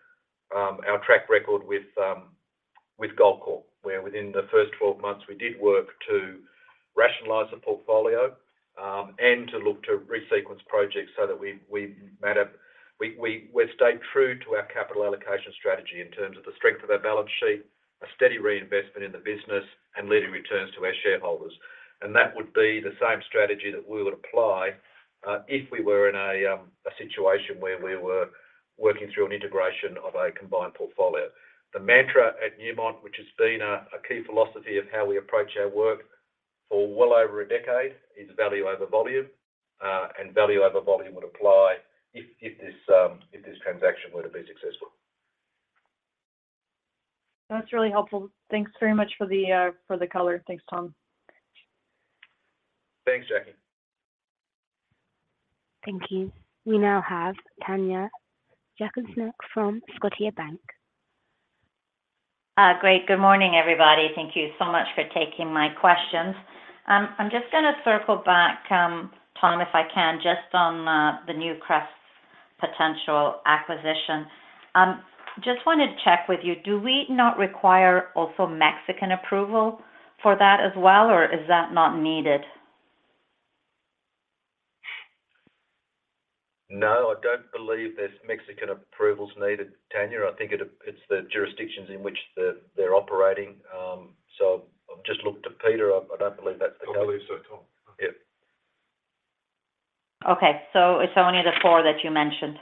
our track record with Goldcorp, where within the first 12 months, we did work to rationalize the portfolio and to look to re-sequence projects so that we matter. We stayed true to our capital allocation strategy in terms of the strength of our balance sheet, a steady reinvestment in the business and leading returns to our shareholders. That would be the same strategy that we would apply if we were in a situation where we were working through an integration of a combined portfolio. The mantra at Newmont, which has been a key philosophy of how we approach our work for well over a decade, is value over volume. Value over volume would apply if this transaction were to be successful. That's really helpful. Thanks very much for the for the color. Thanks, Tom. Thanks, Jackie. Thank you. We now have Tanya Jakusconek from Scotiabank. Great. Good morning, everybody. Thank you so much for taking my questions. I'm just gonna circle back, Tom, if I can, just on the Newcrest potential acquisition. Just wanted to check with you, do we not require also Mexican approval for that as well, or is that not needed? I don't believe there's Mexican approvals needed, Tanya. I think it's the jurisdictions in which they're operating. I've just looked at Peter. I don't believe that's the case. I don't believe so, Tom. Okay. It's only the four that you mentioned.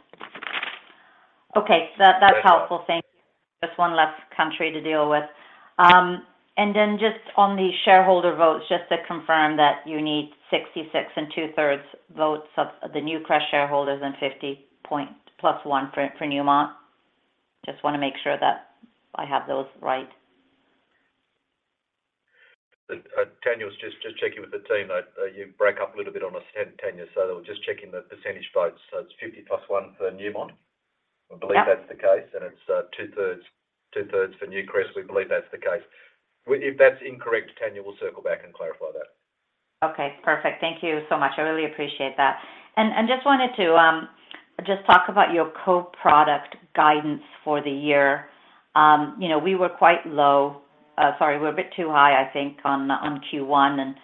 Okay. That's helpful. Thank you. Just one less country to deal with. Then just on the shareholder votes, just to confirm that you need 66 and 2/3 votes of the Newcrest shareholders and 50 + 1 for Newmont. Just wanna make sure that I have those right. Tanya, I was just checking with the team. You break up a little bit on us, Tanya, so just checking the percentage votes. It's 50 + 1 for Newmont. I believe that's the case. It's 2/3 for Newcrest. We believe that's the case. If that's incorrect, Tanya, we'll circle back and clarify that. Okay, perfect. Thank you so much. I really appreciate that. Just wanted to talk about your coproduct guidance for the year. You know, we were quite low. Sorry, we're a bit too high on Q1,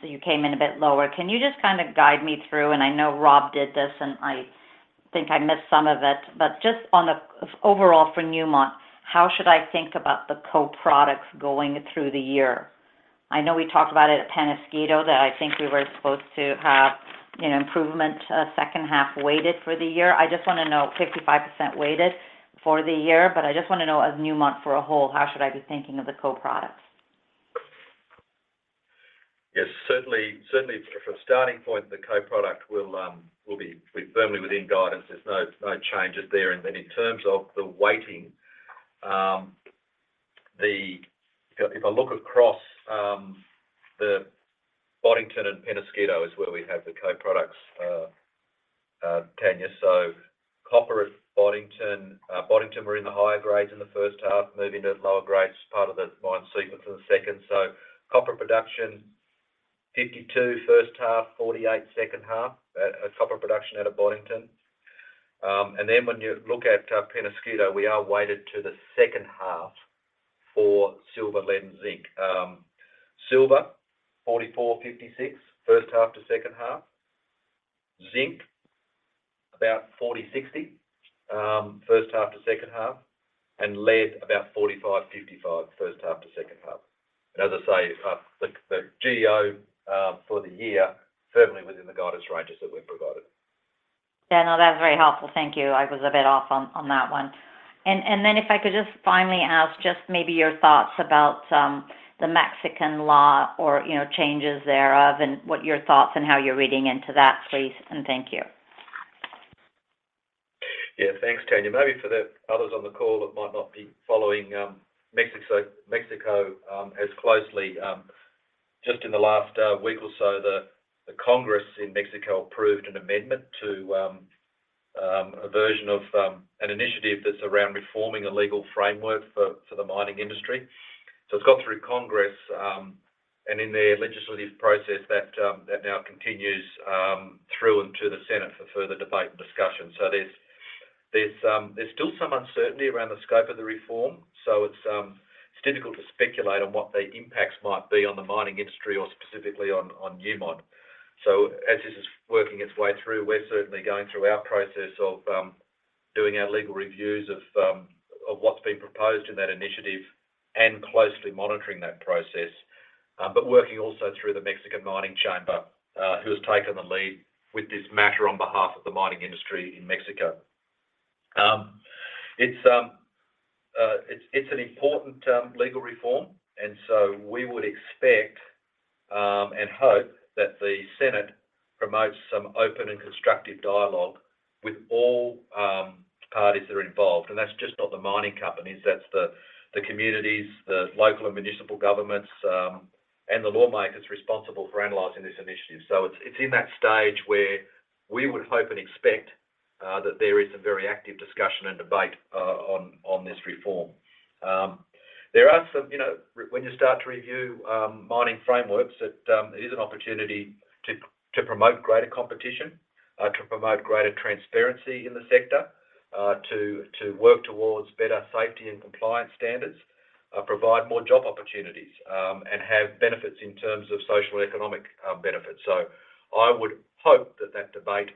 so you came in a bit lower. Can you just guide me through? I know Rob did this, and I think I missed some of it. Just on the overall for Newmont, how should I think about the coproducts going through the year? I know we talked about it at Peñasquito, that I think we were supposed to have, you know, improvement, second half weighted for the year. I just wanna know, 55% weighted for the year, I just wanna know of Newmont for a whole, how should I be thinking of the coproducts? Yes, certainly from a starting point, the coproduct will be firmly within guidance. There's no changes there. In terms of the weighting, if I look across, Boddington and Peñasquito is where we have the coproducts, Tanya. Copper at Boddington. Boddington were in the higher grades in the first half, moving to lower grades, part of the mine sequence in the second. Copper production, 52% first half, 48% second half at copper production out of Boddington. When you look at Peñasquito, we are weighted to the second half for silver, lead, and zinc. Silver, 44%-56% first half to second half. Zinc, about 40%-60% first half to second half. Lead, about 45%-55% first half to second half. As I say, the geo for the year, certainly within the guidance ranges that we've provided. That's very helpful. Thank you. I was a bit off on that one. Then if I could just finally ask just maybe your thoughts about the Mexican law or changes thereof and what your thoughts and how you're reading into that, please. Thank you. Thanks, Tanya. Maybe for the others on the call that might not be following Mexico as closely. Just in the last week or so, the Congress in Mexico approved an amendment to a version of an initiative that's around reforming a legal framework for the mining industry. It's got through Congress and in their legislative process that now continues through and to the Senate for further debate and discussion. There's still some uncertainty around the scope of the reform. It's difficult to speculate on what the impacts might be on the mining industry or specifically on Newmont. As this is working its way through, we're certainly going through our process of doing our legal reviews of what's being proposed in that initiative and closely monitoring that process. Working also through the Mexican Mining Chamber, who has taken the lead with this matter on behalf of the mining industry in Mexico. It's an important legal reform. We would expect and hope that the Senate promotes some open and constructive dialogue with all parties that are involved. That's just not the mining companies, that's the communities, the local and municipal governments, and the lawmakers responsible for analyzing this initiative. It's in that stage where we would hope and expect that there is some very active discussion and debate on this reform. There are some, you know, when you start to review, mining frameworks, it is an opportunity to promote greater competition, to promote greater transparency in the sector, to work towards better safety and compliance standards, provide more job opportunities, and have benefits in terms of social and economic benefits. I would hope that that debate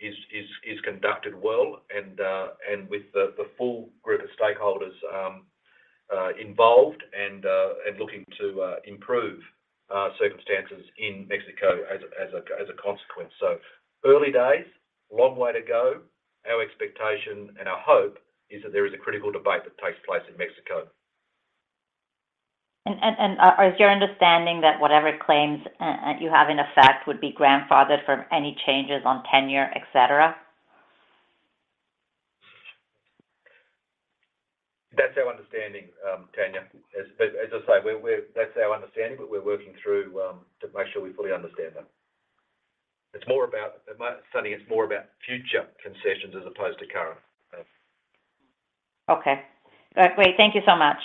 is conducted well and with the full group of stakeholders involved and looking to improve circumstances in Mexico as a consequence. Early days, long way to go. Our expectation and our hope is that there is a critical debate that takes place in Mexico. Is your understanding that whatever claims and you have in effect would be grandfathered from any changes on tenure, et cetera? That's our understanding, Tanya. As I say, that's our understanding, but we're working through to make sure we fully understand that. It's more about future concessions as opposed to current. Yeah. Okay. All right, great. Thank you so much.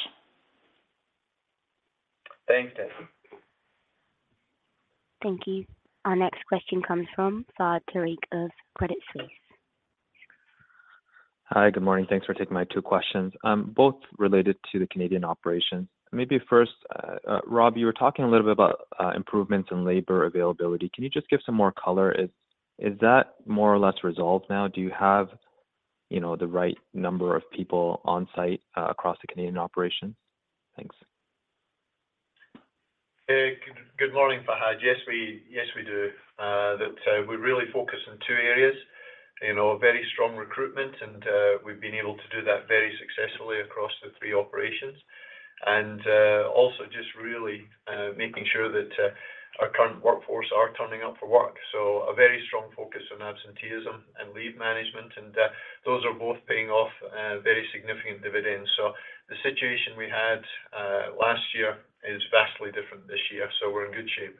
Thanks, Tanya. Thank you. Our next question comes from Fahad Tariq of Credit Suisse. Hi. Good morning. Thanks for taking my two questions, both related to the Canadian operations. Maybe first, Rob, you were talking a little bit about improvements in labor availability. Can you just give some more color? Is that more or less resolved now? Do you have, you know, the right number of people on site across the Canadian operations? Thanks. Good, good morning, Fahad. Yes, we do. That, we're really focused on two areas. You know, a very strong recruitment, and we've been able to do that very successfully across the three operations. Also just really making sure that our current workforce are turning up for work. A very strong focus on absenteeism and leave management. Those are both paying off very significant dividends. The situation we had last year is vastly different this year, so we're in good shape.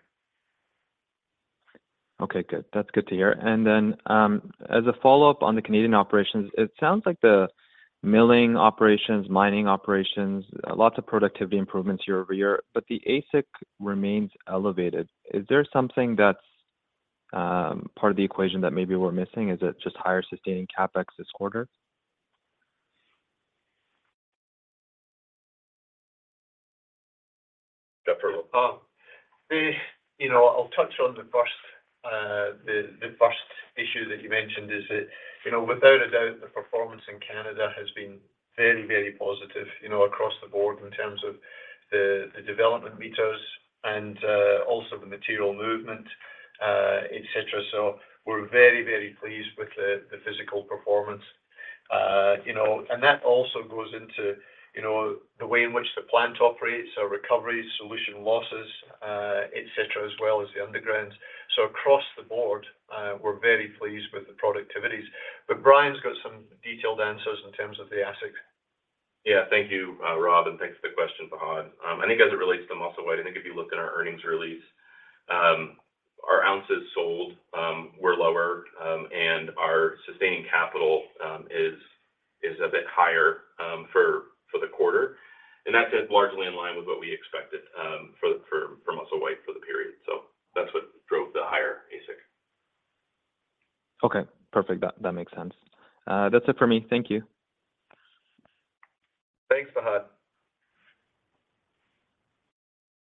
Okay. Good. That's good to hear. As a follow-up on the Canadian operations, it sounds like the milling operations, mining operations, lots of productivity improvements year-over-year, but the AISC remains elevated. Is there something that's part of the equation that maybe we're missing? Is it just higher sustaining CapEx this quarter? You know, I'll touch on the first issue that you mentioned is that, you know, without a doubt, the performance in Canada has been very, very positive, you know, across the board in terms of the development meters and also the material movement, et cetera. We're very, very pleased with the physical performance. You know, and that also goes into the way in which the plant operates, our recoveries, solution losses, et cetera, as well as the undergrounds. Across the board, we're very pleased with the productivities. Brian's got some detailed answers in terms of the AISC. Yeah. Thank you, Rob, and thanks for the question, Fahad. I think as it relates to Musselwhite, I think if you look at our earnings release, our ounces sold, were lower, and our sustaining capital, is a bit higher, for the quarter. That's largely in line with what we expected, for Musselwhite for the period. That's what drove the higher AISC. Okay. Perfect. That makes sense. That's it for me. Thank you. Thanks, Fahad.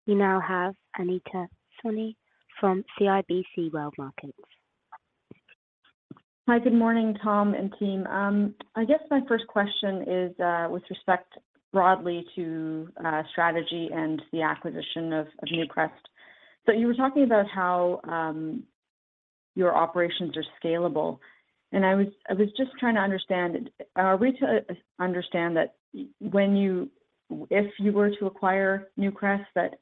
We now have Anita Soni from CIBC World Markets. Hi. Good morning, Tom and team. I guess my first question is, with respect broadly to strategy and the acquisition of Newcrest. You were talking about how your operations are scalable, and I was just trying to understand. Are we to understand that when if you were to acquire Newcrest, that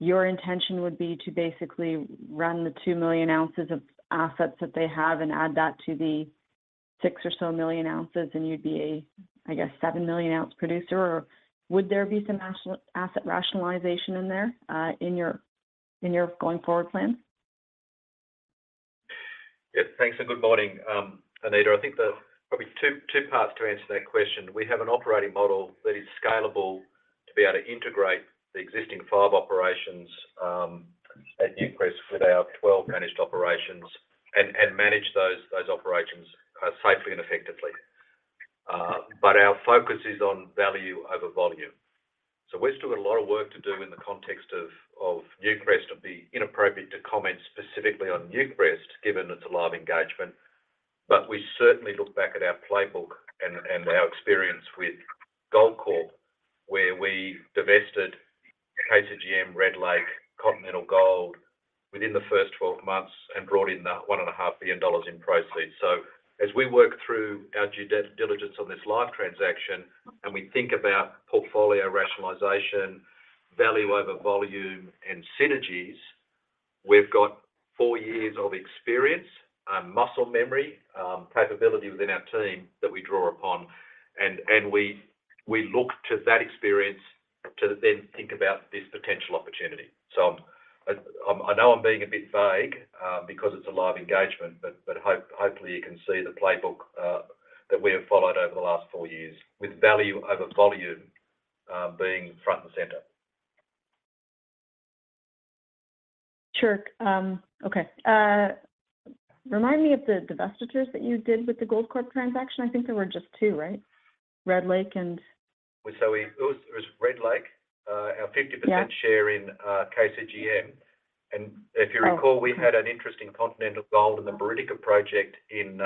your intention would be to basically run the 2 million ounces of assets that they have and add that to the 6 or so million ounces and you'd be a, I guess, 7 million ounce producer? Or would there be some asset rationalization in there in your going forward plan? Thanks and good morning, Anita. I think there are probably two parts to answer that question. We have an operating model that is scalable to be able to integrate the existing five operations at Newcrest with our 12 managed operations and manage those operations safely and effectively. Our focus is on value over volume. We're still got a lot of work to do in the context of Newcrest. It'd be inappropriate to comment specifically on Newcrest given it's a live engagement. We certainly look back at our playbook and our experience with Goldcorp, where we divested KCGM, Red Lake, Continental Gold within the first 12 months and brought in the $1.5 billion in proceeds. As we work through our diligence on this live transaction and we think about portfolio rationalization, value over volume, and synergies, we've got four years of experience, muscle memory, capability within our team that we draw upon. We look to that experience to then think about this potential opportunity. I know I'm being a bit vague because it's a live engagement, but hopefully you can see the playbook that we have followed over the last four years with value over volume, being front and center. Sure. Okay. Remind me of the divestitures that you did with the Goldcorp transaction. I think there were just two, right? It was Red Lake, our 50% share in, KCGM. if you recall we had an interest in Continental Gold and the Buriticá project in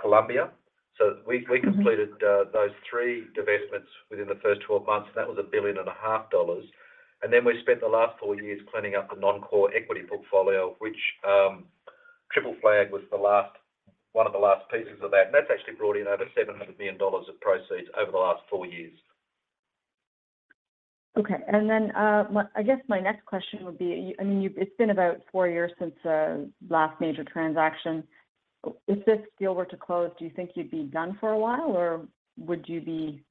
Colombia those three divestments within the first 12 months. That was a billion and a half dollars. We spent the last four years cleaning up the non-core equity portfolio, which, Triple Flag was the last, one of the last pieces of that. That's actually brought in over $700 million of proceeds over the last four years. Okay. I guess my next question would be, it's been about 4 years since the last major transaction. If this deal were to close, do you think you'd be done for a while, or would you be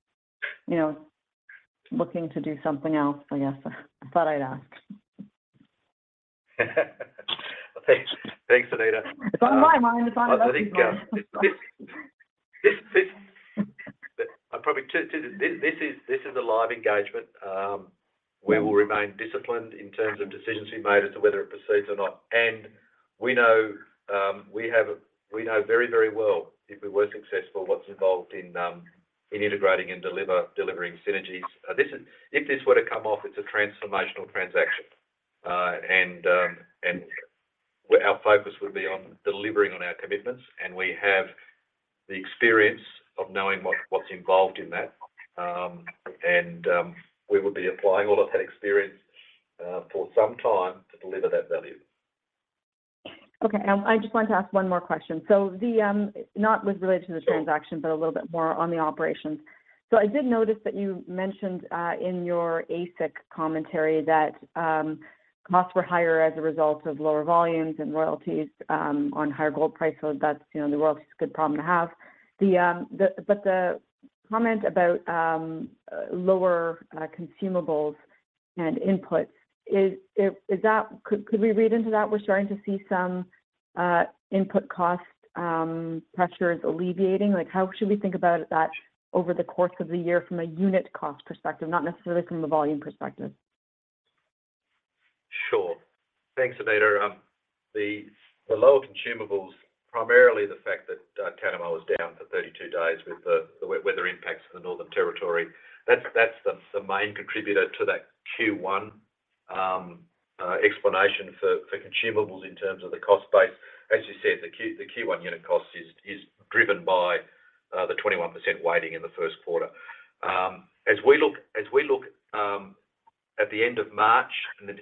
looking to do something else? I thought I'd ask. Thanks. Thanks, Anita. It's on my mind, it's on everybody's mind. I think, this is a live engagement. We will remain disciplined in terms of decisions we made as to whether it proceeds or not. We know, we know very, very well, if we were successful, what's involved in integrating and delivering synergies. If this were to come off, it's a transformational transaction. Our focus would be on delivering on our commitments, and we have the experience of knowing what's involved in that. We would be applying all of that experience for some time to deliver that value. Okay. I just wanted to ask one more question. Not with relation to the transaction, but a little bit more on the operations. I did notice that you mentioned in your AISC commentary that costs were higher as a result of lower volumes and royalties on higher gold prices. That's, you know, the royalty is a good problem to have. But the comment about lower consumables and inputs, could we read into that we're starting to see some input cost pressures alleviating? Like, how should we think about that over the course of the year from a unit cost perspective, not necessarily from a volume perspective? Sure. Thanks, Anita. The lower consumables, primarily the fact that Tanami was down for 32 days with the weather impacts of the Northern Territory. That's the main contributor to that Q1 explanation for consumables in terms of the cost base. As you said, the Q1 unit cost is driven by the 21% weighting in the first quarter. As we look at the end of March,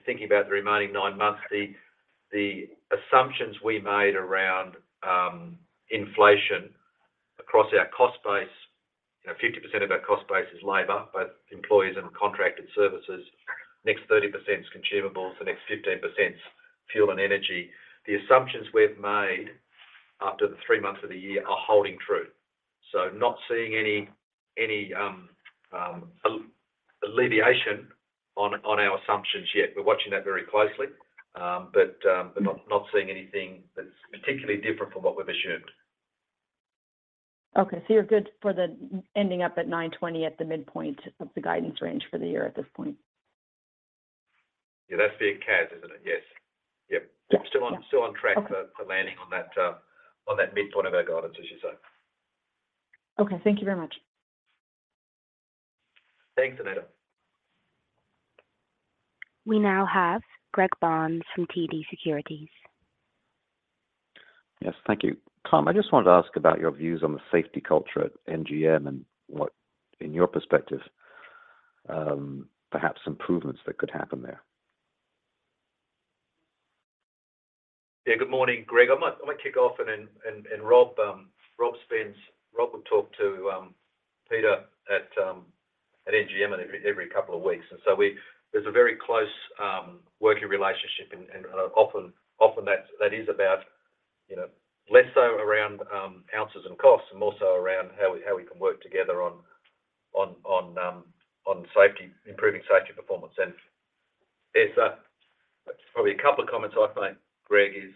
thinking about the remaining nine months, the assumptions we made around inflation across our cost base, you know, 50% of our cost base is labor, both employees and contracted services. Next 30% is consumables. The next 15%'s fuel and energy. The assumptions we've made after the three months of the year are holding true. Not seeing any alleviation on our assumptions yet. We're watching that very closely. Not seeing anything that's particularly different from what we've assumed. Okay. You're good for the ending up at $920 at the midpoint of the guidance range for the year at this point? Yeah. That's being CAS, isn't it? Yes. Still on track for landing on that, on that midpoint of our guidance, as you say. Okay. Thank you very much. Thanks, Anita. We now have Greg Barnes from TD Securities. Yes. Thank you. Tom, I just wanted to ask about your views on the safety culture at NGM. What, in your perspective, perhaps improvements that could happen there. Good morning, Greg. I might kick off and then Rob would talk to Peter at NGM every couple of weeks. There's a very close working relationship and often that is about, you know, less so around ounces and costs and more so around how we can work together on safety, improving safety performance. There's probably a couple of comments I'd make, Greg, is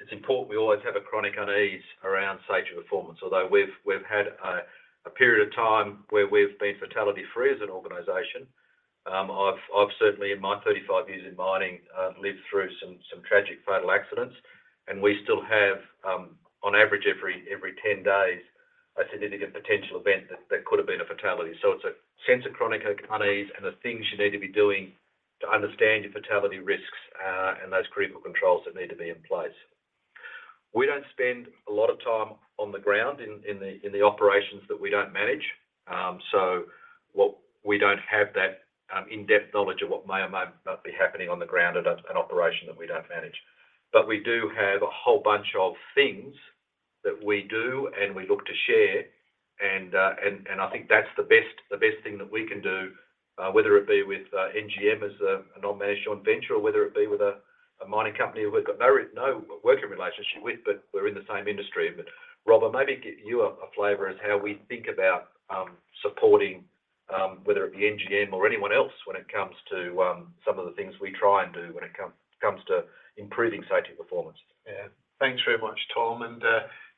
it's important we always have a chronic unease around safety performance. Although we've had a period of time where we've been fatality-free as an organization, I've certainly, in my 35 years in mining, lived through some tragic fatal accidents. We still have, on average every 10 days, a significant potential event that could have been a fatality. It's a sense of chronic unease and the things you need to be doing to understand your fatality risks, and those Critical Controls that need to be in place. We don't spend a lot of time on the ground in the operations that we don't manage. We don't have that in-depth knowledge of what may or may not be happening on the ground at an operation that we don't manage. We do have a whole bunch of things that we do, and we look to share and I think that's the best thing that we can do, whether it be with NGM as a non-managed joint venture or whether it be with a mining company who we've got no working relationship with, but we're in the same industry. Rob, I'll maybe give you a flavor as how we think about supporting, whether it be NGM or anyone else when it comes to some of the things we try and do when it comes to improving safety performance. Yeah. Thanks very much, Tom.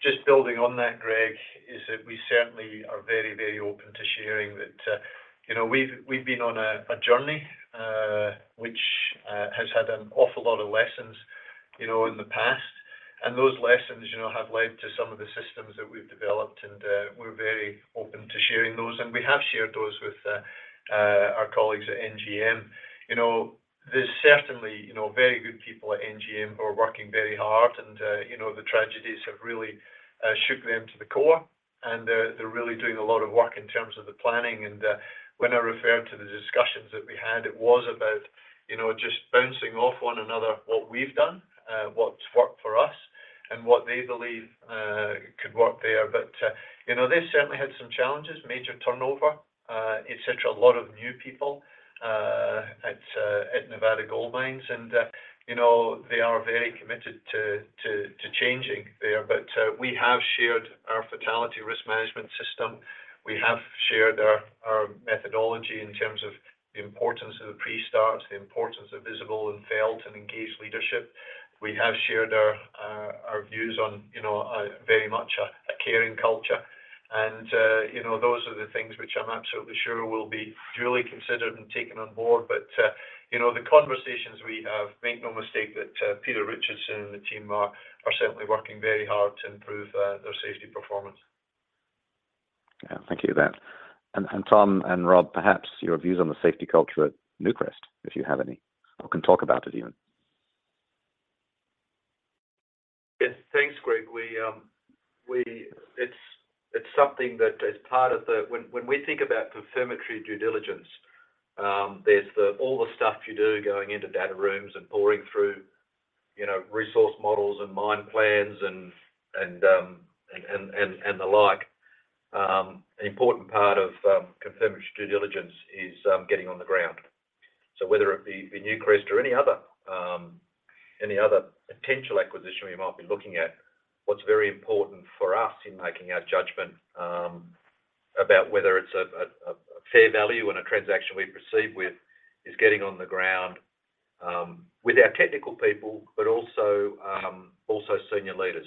Just building on that, Greg, is that we certainly are very, very open to sharing that, you know, we've been on a journey which has had an awful lot of lessons, you know, in the past. Those lessons, you know, have led to some of the systems that we've developed, and we're very open to sharing those. We have shared those with our colleagues at NGM. You know, there's certainly, you know, very good people at NGM who are working very hard and, you know, the tragedies have really shook them to the core. They're really doing a lot of work in terms of the planning. When I referred to the discussions that we had, it was about, you know, just bouncing off one another what we've done, what's worked for us and what they believe could work there. You know, they've certainly had some challenges, major turnover, et cetera. A lot of new people at Nevada Gold Mines. You know, they are very committed to changing there. We have shared our Fatality Risk Management system. We have shared our methodology in terms of the importance of the pre-starts, the importance of visible and felt and engaged leadership. We have shared our views on, you know, a very much a caring culture. You know, those are the things which I'm absolutely sure will be duly considered and taken on board. You know, the conversations we have, make no mistake that Peter Richardson and the team are certainly working very hard to improve their safety performance. Yeah. Thank you for that. Tom and Rob, perhaps your views on the safety culture at Newcrest, if you have any, or can talk about it even. Yes. Thanks, Greg. It's something that as part of the. When we think about confirmatory due diligence, there's the, all the stuff you do going into data rooms and poring through, you know, resource models and mine plans and the like. An important part of confirmatory due diligence is getting on the ground. Whether it be Newcrest or any other potential acquisition we might be looking at, what's very important for us in making our judgment about whether it's a fair value and a transaction we proceed with is getting on the ground with our technical people, but also senior leaders.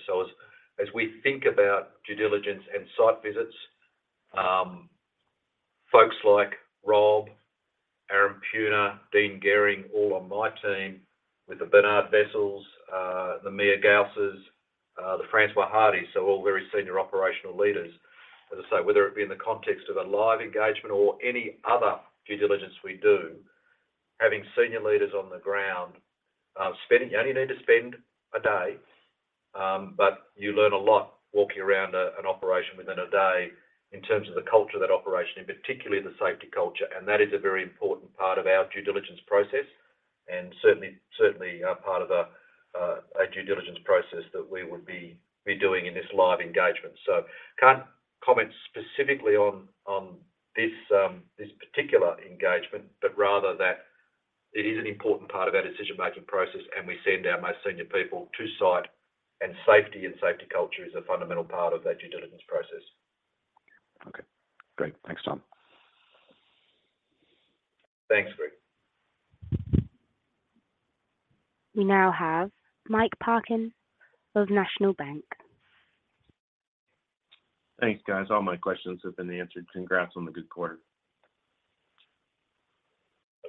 As we think about due diligence and site visits, folks like Rob, Aaron Puna, Dean Gehring, all on my team with the Bernard Wessels, the Mia Gous, the Francois Hardy, so all very senior operational leaders. As I say, whether it be in the context of a live engagement or any other due diligence we do, having senior leaders on the ground, spending You only need to spend one day, but you learn a lot walking around an operation within one day in terms of the culture of that operation, and particularly the safety culture. That is a very important part of our due diligence process and certainly, part of a due diligence process that we would be doing in this live engagement. Can't comment specifically on this particular engagement, but rather that it is an important part of our decision-making process. We send our most senior people to site. Safety and safety culture is a fundamental part of that due diligence process. Okay, great. Thanks, Tom. Thanks, Greg. We now have Mike Parkin of National Bank. Thanks, guys. All my questions have been answered. Congrats on the good quarter.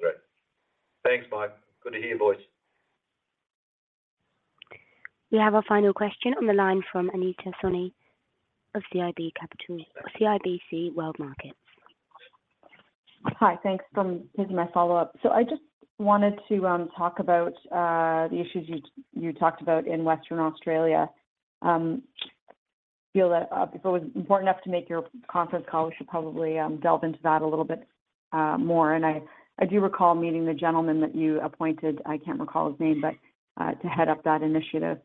Great. Thanks, Mike. Good to hear your voice. We have our final question on the line from Anita Soni of CIBC World Markets. Hi. Thanks. This is my follow-up. I just wanted to talk about the issues you talked about in Western Australia. Feel that if it was important enough to make your conference call, we should probably delve into that a little bit more. I do recall meeting the gentleman that you appointed, I can't recall his name, but to head up that initiative.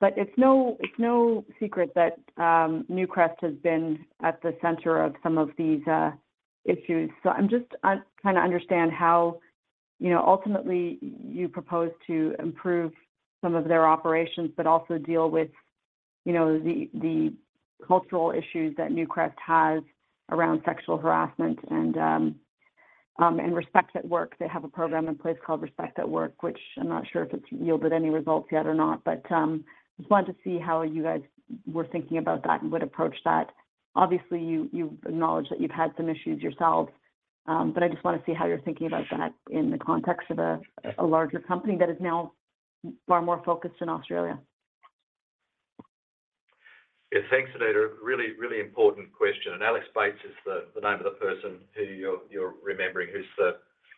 It's no, it's no secret that Newcrest has been at the center of some of these issues. I'm just trying to understand how, you know, ultimately you propose to improve some of their operations, but also deal with, you know, the cultural issues that Newcrest has around sexual harassment and Respect at Work. They have a program in place called Respect at Work, which I'm not sure if it's yielded any results yet or not. Just wanted to see how you guys were thinking about that and would approach that. Obviously, you acknowledge that you've had some issues yourselves. I just wanna see how you're thinking about that in the context of a larger company that is now far more focused in Australia. Yeah. Thanks, Anita. Really, really important question. Alex Bates is the name of the person who you're remembering, who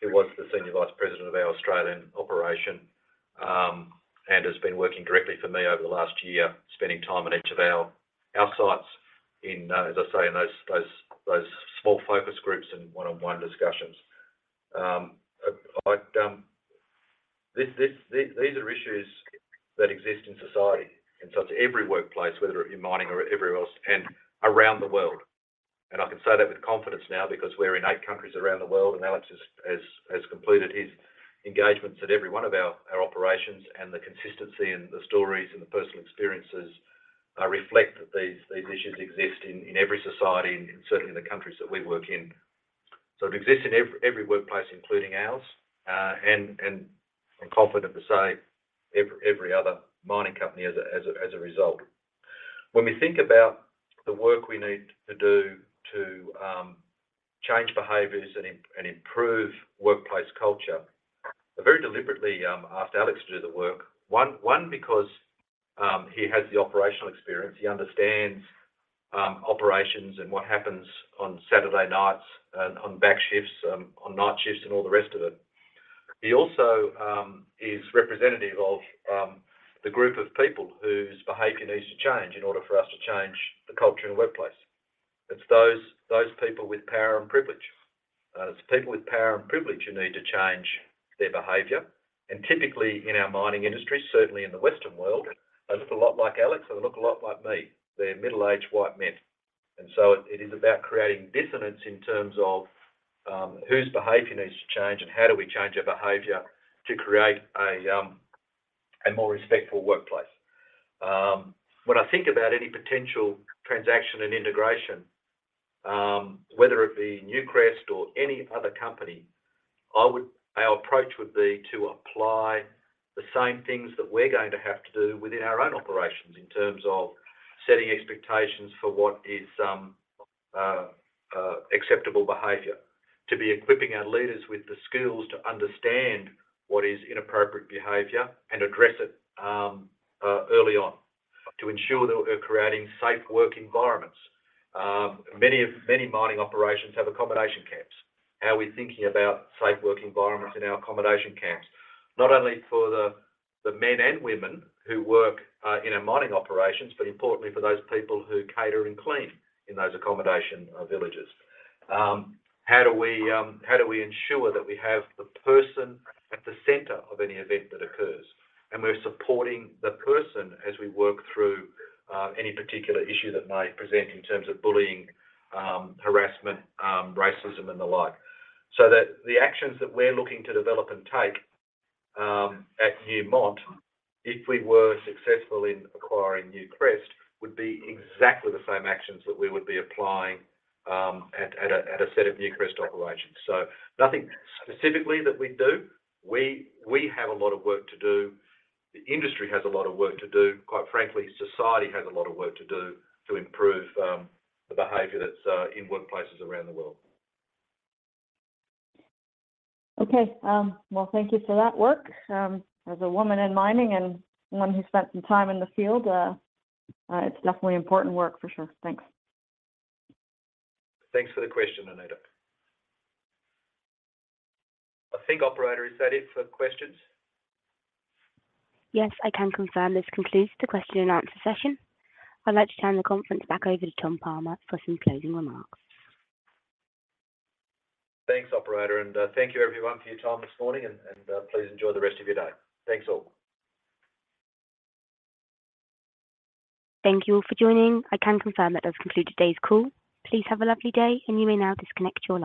was the Senior Vice President of our Australian operation, and has been working directly for me over the last year, spending time at each of our sites in, as I say, in those small focus groups and one-on-one discussions. These are issues that exist in society. To every workplace, whether it be mining or everywhere else and around the world. I can say that with confidence now because we're in eight countries around the world, and Alex has completed his engagements at every one of our operations. The consistency and the stories and the personal experiences. I reflect that these issues exist in every society and certainly the countries that we work in. It exists in every workplace, including ours, and I'm confident to say every other mining company as a result. When we think about the work we need to do to change behaviors and improve workplace culture, I very deliberately asked Alex to do the work. One because he has the operational experience, he understands operations and what happens on Saturday nights, on back shifts, on night shifts, and all the rest of it. He also is representative of the group of people whose behavior needs to change in order for us to change the culture in the workplace. It's those people with power and privilege. It's people with power and privilege who need to change their behavior. Typically, in our mining industry, certainly in the Western world, they look a lot like Alex, or they look a lot like me. They're middle-aged white men. It is about creating dissonance in terms of whose behavior needs to change and how do we change our behavior to create a more respectful workplace. When I think about any potential transaction and integration, whether it be Newcrest or any other company, our approach would be to apply the same things that we're going to have to do within our own operations in terms of setting expectations for what is acceptable behavior. To be equipping our leaders with the skills to understand what is inappropriate behavior and address it early on to ensure that we're creating safe work environments. Many mining operations have accommodation camps. How are we thinking about safe work environments in our accommodation camps? Not only for the men and women who work in our mining operations, but importantly for those people who cater and clean in those accommodation villages. How do we ensure that we have the person at the center of any event that occurs, and we're supporting the person as we work through any particular issue that may present in terms of bullying, harassment, racism, and the like. That the actions that we're looking to develop and take at Newmont, if we were successful in acquiring Newcrest, would be exactly the same actions that we would be applying at a set of Newcrest operations. Nothing specifically that we do. We have a lot of work to do. The industry has a lot of work to do. Quite frankly, society has a lot of work to do to improve the behavior that's in workplaces around the world. Well, thank you for that work. As a woman in mining and one who spent some time in the field, it's definitely important work for sure. Thanks. Thanks for the question, Anita. I think, operator, is that it for questions? Yes, I can confirm this concludes the question and answer session. I'd like to turn the conference back over to Tom Palmer for some closing remarks. Thanks, operator, and, thank you everyone for your time this morning, and, please enjoy the rest of your day. Thanks all. Thank you all for joining. I can confirm that does conclude today's call. Please have a lovely day. You may now disconnect your line.